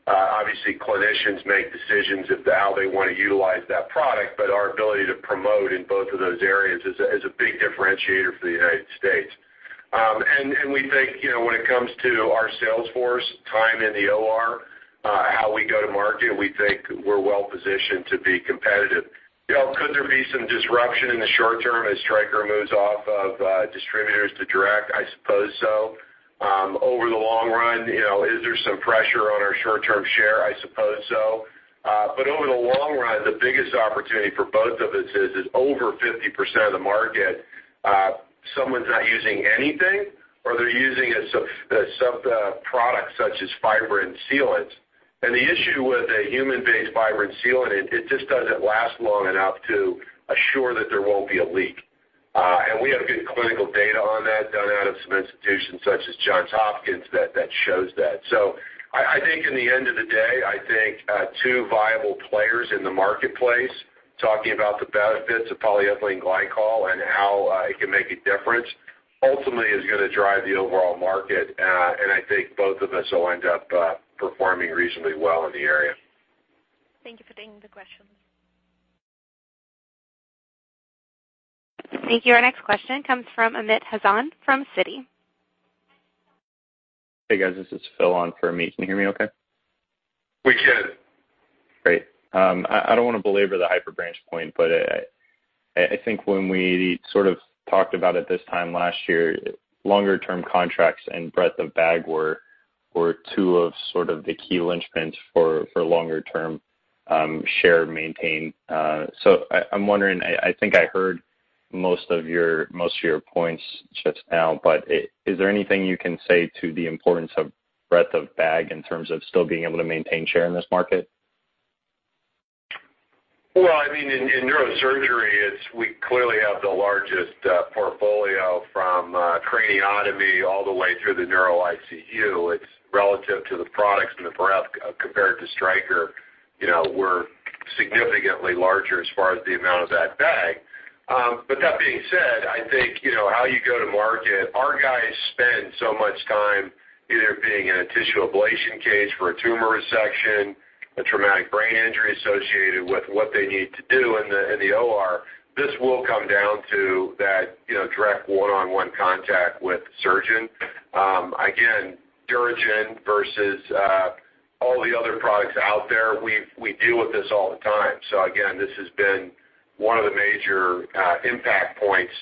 Obviously, clinicians make decisions about how they want to utilize that product. But our ability to promote in both of those areas is a big differentiator for the United States. We think when it comes to our sales force, time in the OR, how we go to market, we think we're well positioned to be competitive. Could there be some disruption in the short term as Stryker moves off of distributors to direct? I suppose so. Over the long run, is there some pressure on our short-term share? I suppose so. Over the long run, the biggest opportunity for both of us is over 50% of the market, someone's not using anything, or they're using a sub-product such as fibrin sealant. The issue with a human-based fibrin sealant, it just doesn't last long enough to assure that there won't be a leak. We have good clinical data on that done out of some institutions such as Johns Hopkins that shows that. So I think in the end of the day, I think two viable players in the marketplace talking about the benefits of polyethylene glycol and how it can make a difference ultimately is going to drive the overall market. And I think both of us will end up performing reasonably well in the area. Thank you for taking the questions. Thank you. Our next question comes from Amit Hazan from Citi. Hey, guys. This is Phil on for me. Can you hear me okay? We can. Great. I don't want to belabor the HyperBranch point. But I think when we sort of talked about it this time last year, longer-term contracts and breadth of bag were two of sort of the key linchpins for longer-term share maintain. So I'm wondering, I think I heard most of your points just now. But is there anything you can say to the importance of breadth of bag in terms of still being able to maintain share in this market? Well, I mean, in neurosurgery, we clearly have the largest portfolio from craniotomy all the way through the neuro ICU. It's relative to the products and the breadth compared to Stryker. We're significantly larger as far as the amount of that bag. But that being said, I think how you go to market. Our guys spend so much time either being in a tissue ablation case for a tumor resection, a traumatic brain injury associated with what they need to do in the OR. This will come down to that direct one-on-one contact with the surgeon. Again, DuraGen versus all the other products out there, we deal with this all the time. So again, this has been one of the major impact points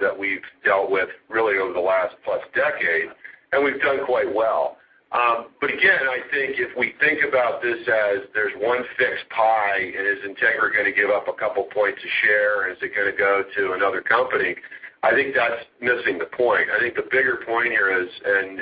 that we've dealt with really over the last plus decade. And we've done quite well. But again, I think if we think about this as there's one fixed pie and is Integra going to give up a couple of points of share? Is it going to go to another company? I think that's missing the point. I think the bigger point here is, and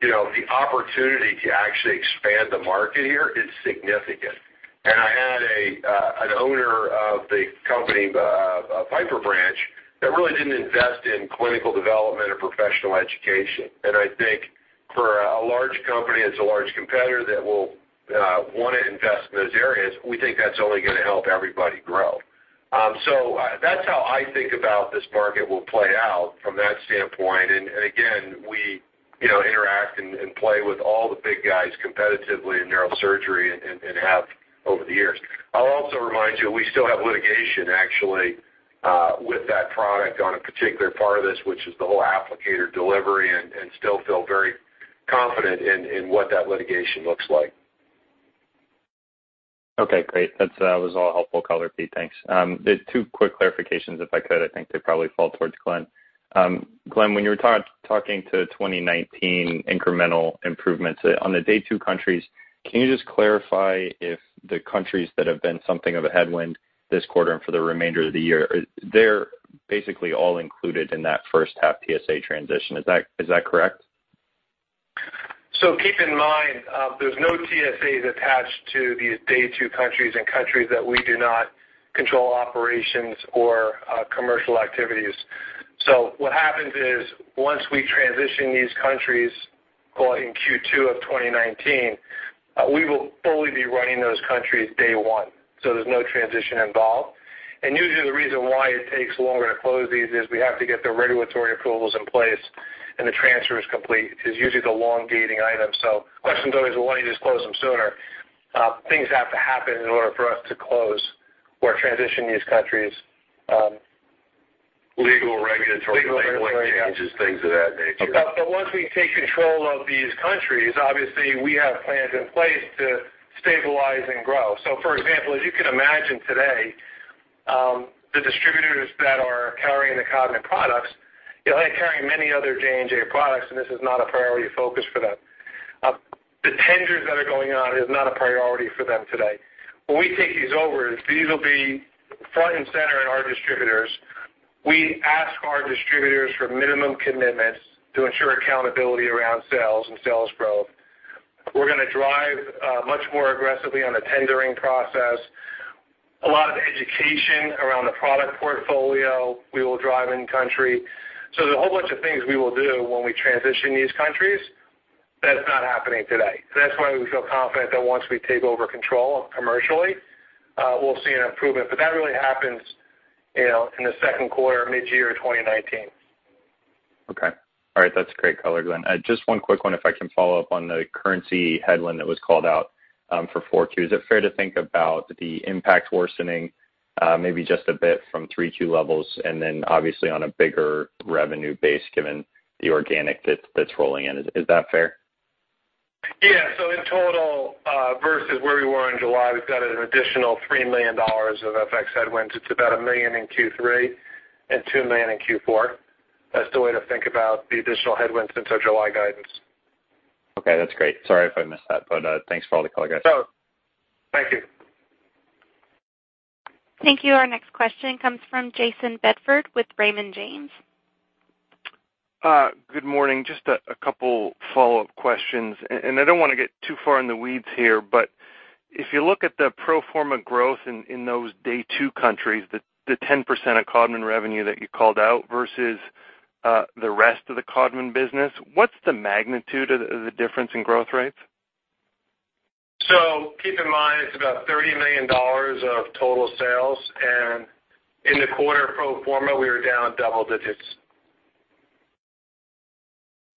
the opportunity to actually expand the market here is significant. And I had an owner of the company, of HyperBranch, that really didn't invest in clinical development or professional education. And I think for a large company that's a large competitor that will want to invest in those areas, we think that's only going to help everybody grow. So that's how I think about this market will play out from that standpoint. And again, we interact and play with all the big guys competitively in neurosurgery and have over the years. I'll also remind you we still have litigation actually with that product on a particular part of this, which is the whole applicator delivery, and still feel very confident in what that litigation looks like. Okay. Great. That was all helpful color, Pete. Thanks. Two quick clarifications if I could. I think they probably fall towards Glenn. Glenn, when you were talking about 2019 incremental improvements on the Day 2 countries, can you just clarify if the countries that have been something of a headwind this quarter and for the remainder of the year, they're basically all included in that first-half TSA transition? Is that correct? So keep in mind there's no TSAs attached to these Day 2 countries and countries that we do not control operations or commercial activities. So what happens is once we transition these countries in Q2 of 2019, we will fully be running those countries day one. So there's no transition involved. And usually the reason why it takes longer to close these is we have to get the regulatory approvals in place, and the transfers complete, is usually the long gating item. So the question is always, well, why don't you just close them sooner? Things have to happen in order for us to close or transition these countries. Legal, regulatory language and things of that nature. But once we take control of these countries, obviously we have plans in place to stabilize and grow. So for example, as you can imagine today, the distributors that are carrying the Codman products, they're carrying many other J&J products, and this is not a priority focus for them. The tenders that are going on is not a priority for them today. When we take these over, these will be front and center in our distributors. We ask our distributors for minimum commitments to ensure accountability around sales and sales growth. We're going to drive much more aggressively on the tendering process. A lot of education around the product portfolio we will drive in country. So there's a whole bunch of things we will do when we transition these countries that's not happening today. That's why we feel confident that once we take over control commercially, we'll see an improvement. But that really happens in the second quarter of mid-year 2019. Okay. All right. That's great color, Glenn. Just one quick one if I can follow up on the currency headwind that was called out for 4Q. Is it fair to think about the impact worsening maybe just a bit from 3Q levels and then obviously on a bigger revenue base given the organic that's rolling in? Is that fair? Yeah, so in total versus where we were in July, we've got an additional $3 million of FX headwinds. It's about $1 million in Q3 and $2 million in Q4. That's the way to think about the additional headwinds into July guidance. Okay. That's great. Sorry if I missed that. But thanks for all the color. So. Thank you. Thank you. Our next question comes from Jayson Bedford with Raymond James. Good morning. Just a couple of follow-up questions, and I don't want to get too far in the weeds here, but if you look at the pro forma growth in those Day 2 countries, the 10% of Codman revenue that you called out versus the rest of the Codman business, what's the magnitude of the difference in growth rates? Keep in mind it's about $30 million of total sales. In the quarter pro forma, we were down double digits.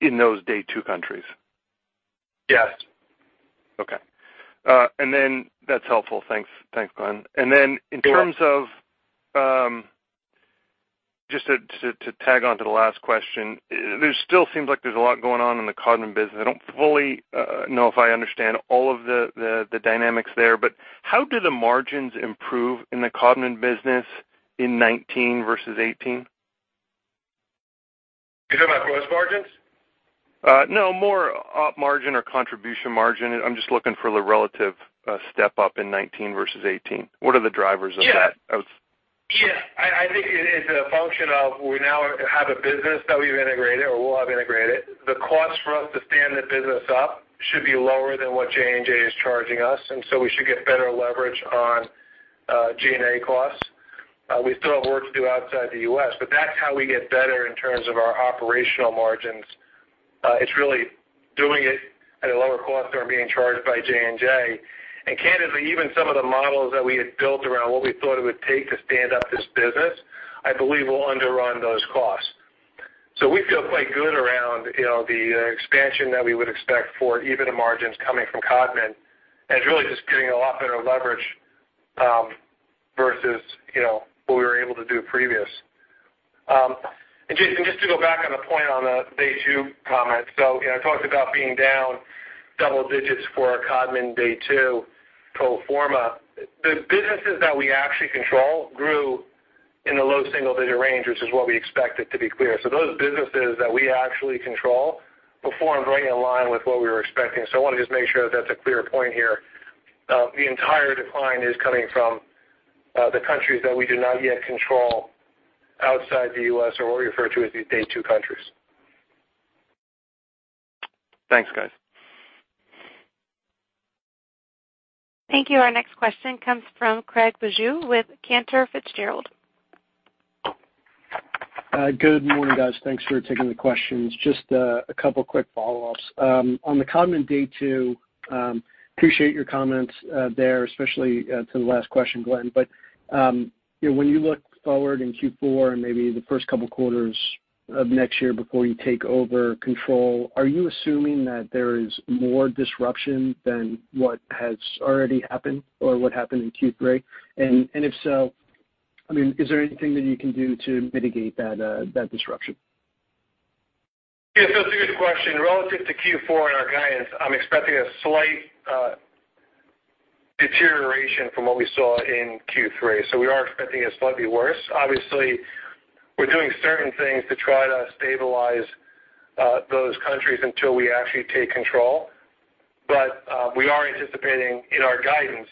In those Day 2 countries? Yes. Okay, and then that's helpful. Thanks, Glenn, and then in terms of just to tack on to the last question, there still seems like there's a lot going on in the Codman business. I don't fully know if I understand all of the dynamics there, but how did the margins improve in the Codman business in 2019 versus 2018? You're talking about gross margins? No. More up margin or contribution margin. I'm just looking for the relative step up in 2019 versus 2018. What are the drivers of that? Yeah. I think it's a function of we now have a business that we've integrated or we'll have integrated. The cost for us to stand the business up should be lower than what J&J is charging us. And so we should get better leverage on G&A costs. We still have work to do outside the U.S. But that's how we get better in terms of our operational margins. It's really doing it at a lower cost than we're being charged by J&J. And candidly, even some of the models that we had built around what we thought it would take to stand up this business, I believe will underrun those costs. So we feel quite good around the expansion that we would expect for even the margins coming from Codman. And it's really just getting a lot better leverage versus what we were able to do previously. And Jayson, just to go back on the point on the Day 2 comment. So I talked about being down double digits for Codman Day 2 pro forma. The businesses that we actually control grew in the low single-digit range, which is what we expected, to be clear. So those businesses that we actually control performed right in line with what we were expecting. So I want to just make sure that that's a clear point here. The entire decline is coming from the countries that we do not yet control outside the U.S. or what we refer to as these Day 2 countries. Thanks, guys. Thank you. Our next question comes from Craig Bijou with Cantor Fitzgerald. Good morning, guys. Thanks for taking the questions. Just a couple of quick follow-ups. On the Codman Day 2, appreciate your comments there, especially to the last question, Glenn. But when you look forward in Q4 and maybe the first couple of quarters of next year before you take over control, are you assuming that there is more disruption than what has already happened or what happened in Q3? And if so, I mean, is there anything that you can do to mitigate that disruption? Yeah. That's a good question. Relative to Q4 and our guidance, I'm expecting a slight deterioration from what we saw in Q3. So we are expecting it's going to be worse. Obviously, we're doing certain things to try to stabilize those countries until we actually take control. But we are anticipating in our guidance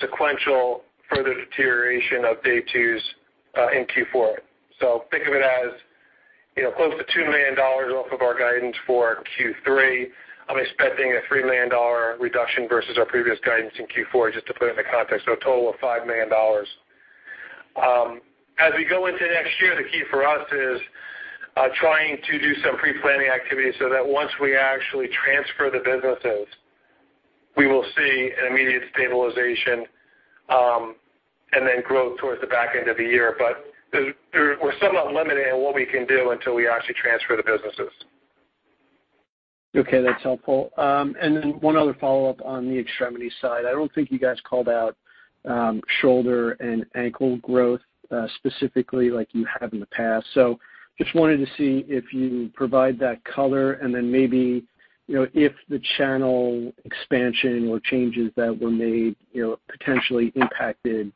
sequential further deterioration of Day 2s in Q4. So think of it as close to $2 million off of our guidance for Q3. I'm expecting a $3 million reduction versus our previous guidance in Q4 just to put it in the context of a total of $5 million. As we go into next year, the key for us is trying to do some pre-planning activities so that once we actually transfer the businesses, we will see an immediate stabilization and then growth towards the back end of the year. But we're somewhat limited in what we can do until we actually transfer the businesses. Okay. That's helpful. And then one other follow-up on the extremity side. I don't think you guys called out shoulder and ankle growth specifically like you have in the past. So just wanted to see if you provide that color and then maybe if the channel expansion or changes that were made potentially impacted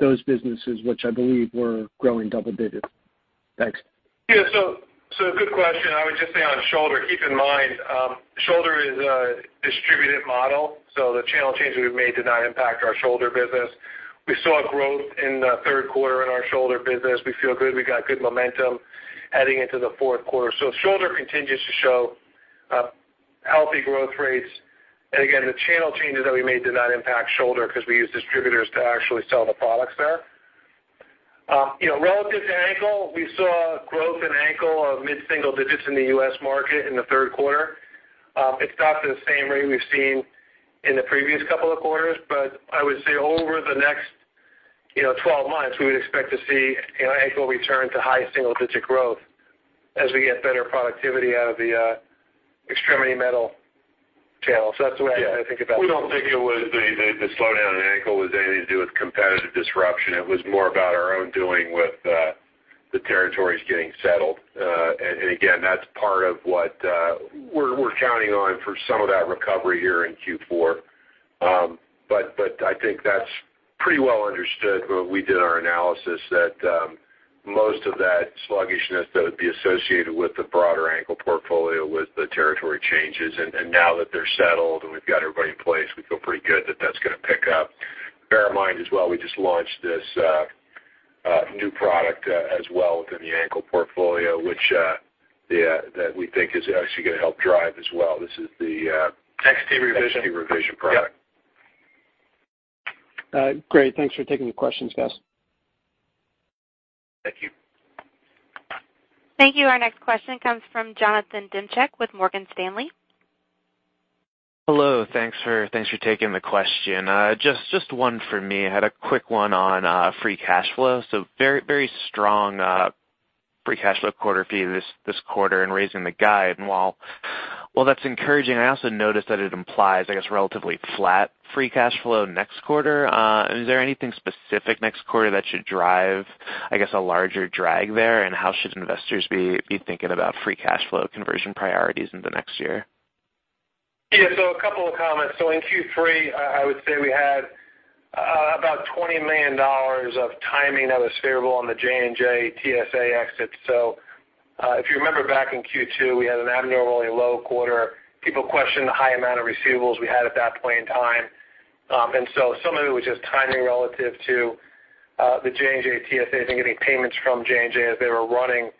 those businesses, which I believe were growing double digits. Thanks. Yeah. So good question. I would just say on shoulder, keep in mind shoulder is a distributed model. So the channel changes we've made did not impact our shoulder business. We saw growth in the third quarter in our shoulder business. We feel good. We got good momentum heading into the fourth quarter. So shoulder continues to show healthy growth rates. And again, the channel changes that we made did not impact shoulder because we use distributors to actually sell the products there. Relative to ankle, we saw growth in ankle of mid-single digits in the U.S. market in the third quarter. It's not the same rate we've seen in the previous couple of quarters. But I would say over the next 12 months, we would expect to see ankle return to high single-digit growth as we get better productivity out of the extremity metal channels. That's the way I think about it. We don't think it was the slowdown in ankle was anything to do with competitive disruption. It was more about our own doing with the territories getting settled. And again, that's part of what we're counting on for some of that recovery here in Q4. But I think that's pretty well understood when we did our analysis that most of that sluggishness that would be associated with the broader ankle portfolio with the territory changes. And now that they're settled and we've got everybody in place, we feel pretty good that that's going to pick up. Bear in mind as well, we just launched this new product as well within the ankle portfolio, which we think is actually going to help drive as well. This is the XT Revision. XT Revision product. Great. Thanks for taking the questions, guys. Thank you. Thank you. Our next question comes from Jonathan Demchick with Morgan Stanley. Hello. Thanks for taking the question. Just one for me. I had a quick one on free cash flow. So very strong free cash flow this quarter and raising the guide. And while that's encouraging, I also noticed that it implies, I guess, relatively flat free cash flow next quarter. Is there anything specific next quarter that should drive, I guess, a larger drag there? And how should investors be thinking about free cash flow conversion priorities in the next year? Yeah. So a couple of comments. So in Q3, I would say we had about $20 million of timing that was favorable on the J&J TSA exit. So if you remember back in Q2, we had an abnormally low quarter. People questioned the high amount of receivables we had at that point in time. And so some of it was just timing relative to the J&J TSAs and getting payments from J&J as they were running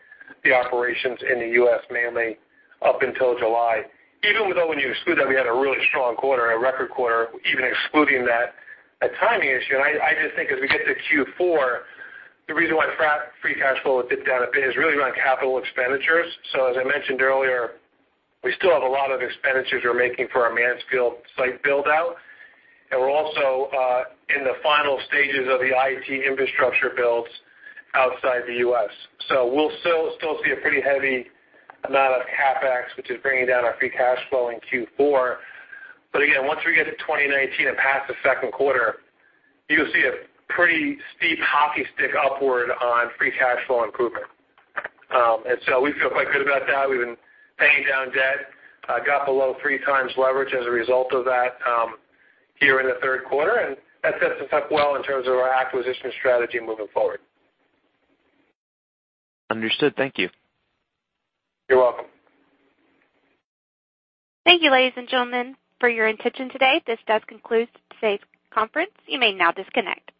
the operations in the U.S. mainly up until July. Even though when you exclude that, we had a really strong quarter, a record quarter, even excluding that timing issue. And I just think as we get to Q4, the reason why free cash flow dipped down a bit is really around capital expenditures. So as I mentioned earlier, we still have a lot of expenditures we're making for our Mansfield site build-out. And we're also in the final stages of the IT infrastructure builds outside the U.S. So we'll still see a pretty heavy amount of CapEx, which is bringing down our free cash flow in Q4. But again, once we get to 2019 and past the second quarter, you'll see a pretty steep hockey stick upward on free cash flow improvement. And so we feel quite good about that. We've been paying down debt, got below three times leverage as a result of that here in the third quarter. And that sets us up well in terms of our acquisition strategy moving forward. Understood. Thank you. You're welcome. Thank you, ladies and gentlemen, for your attention today. This does conclude today's conference. You may now disconnect.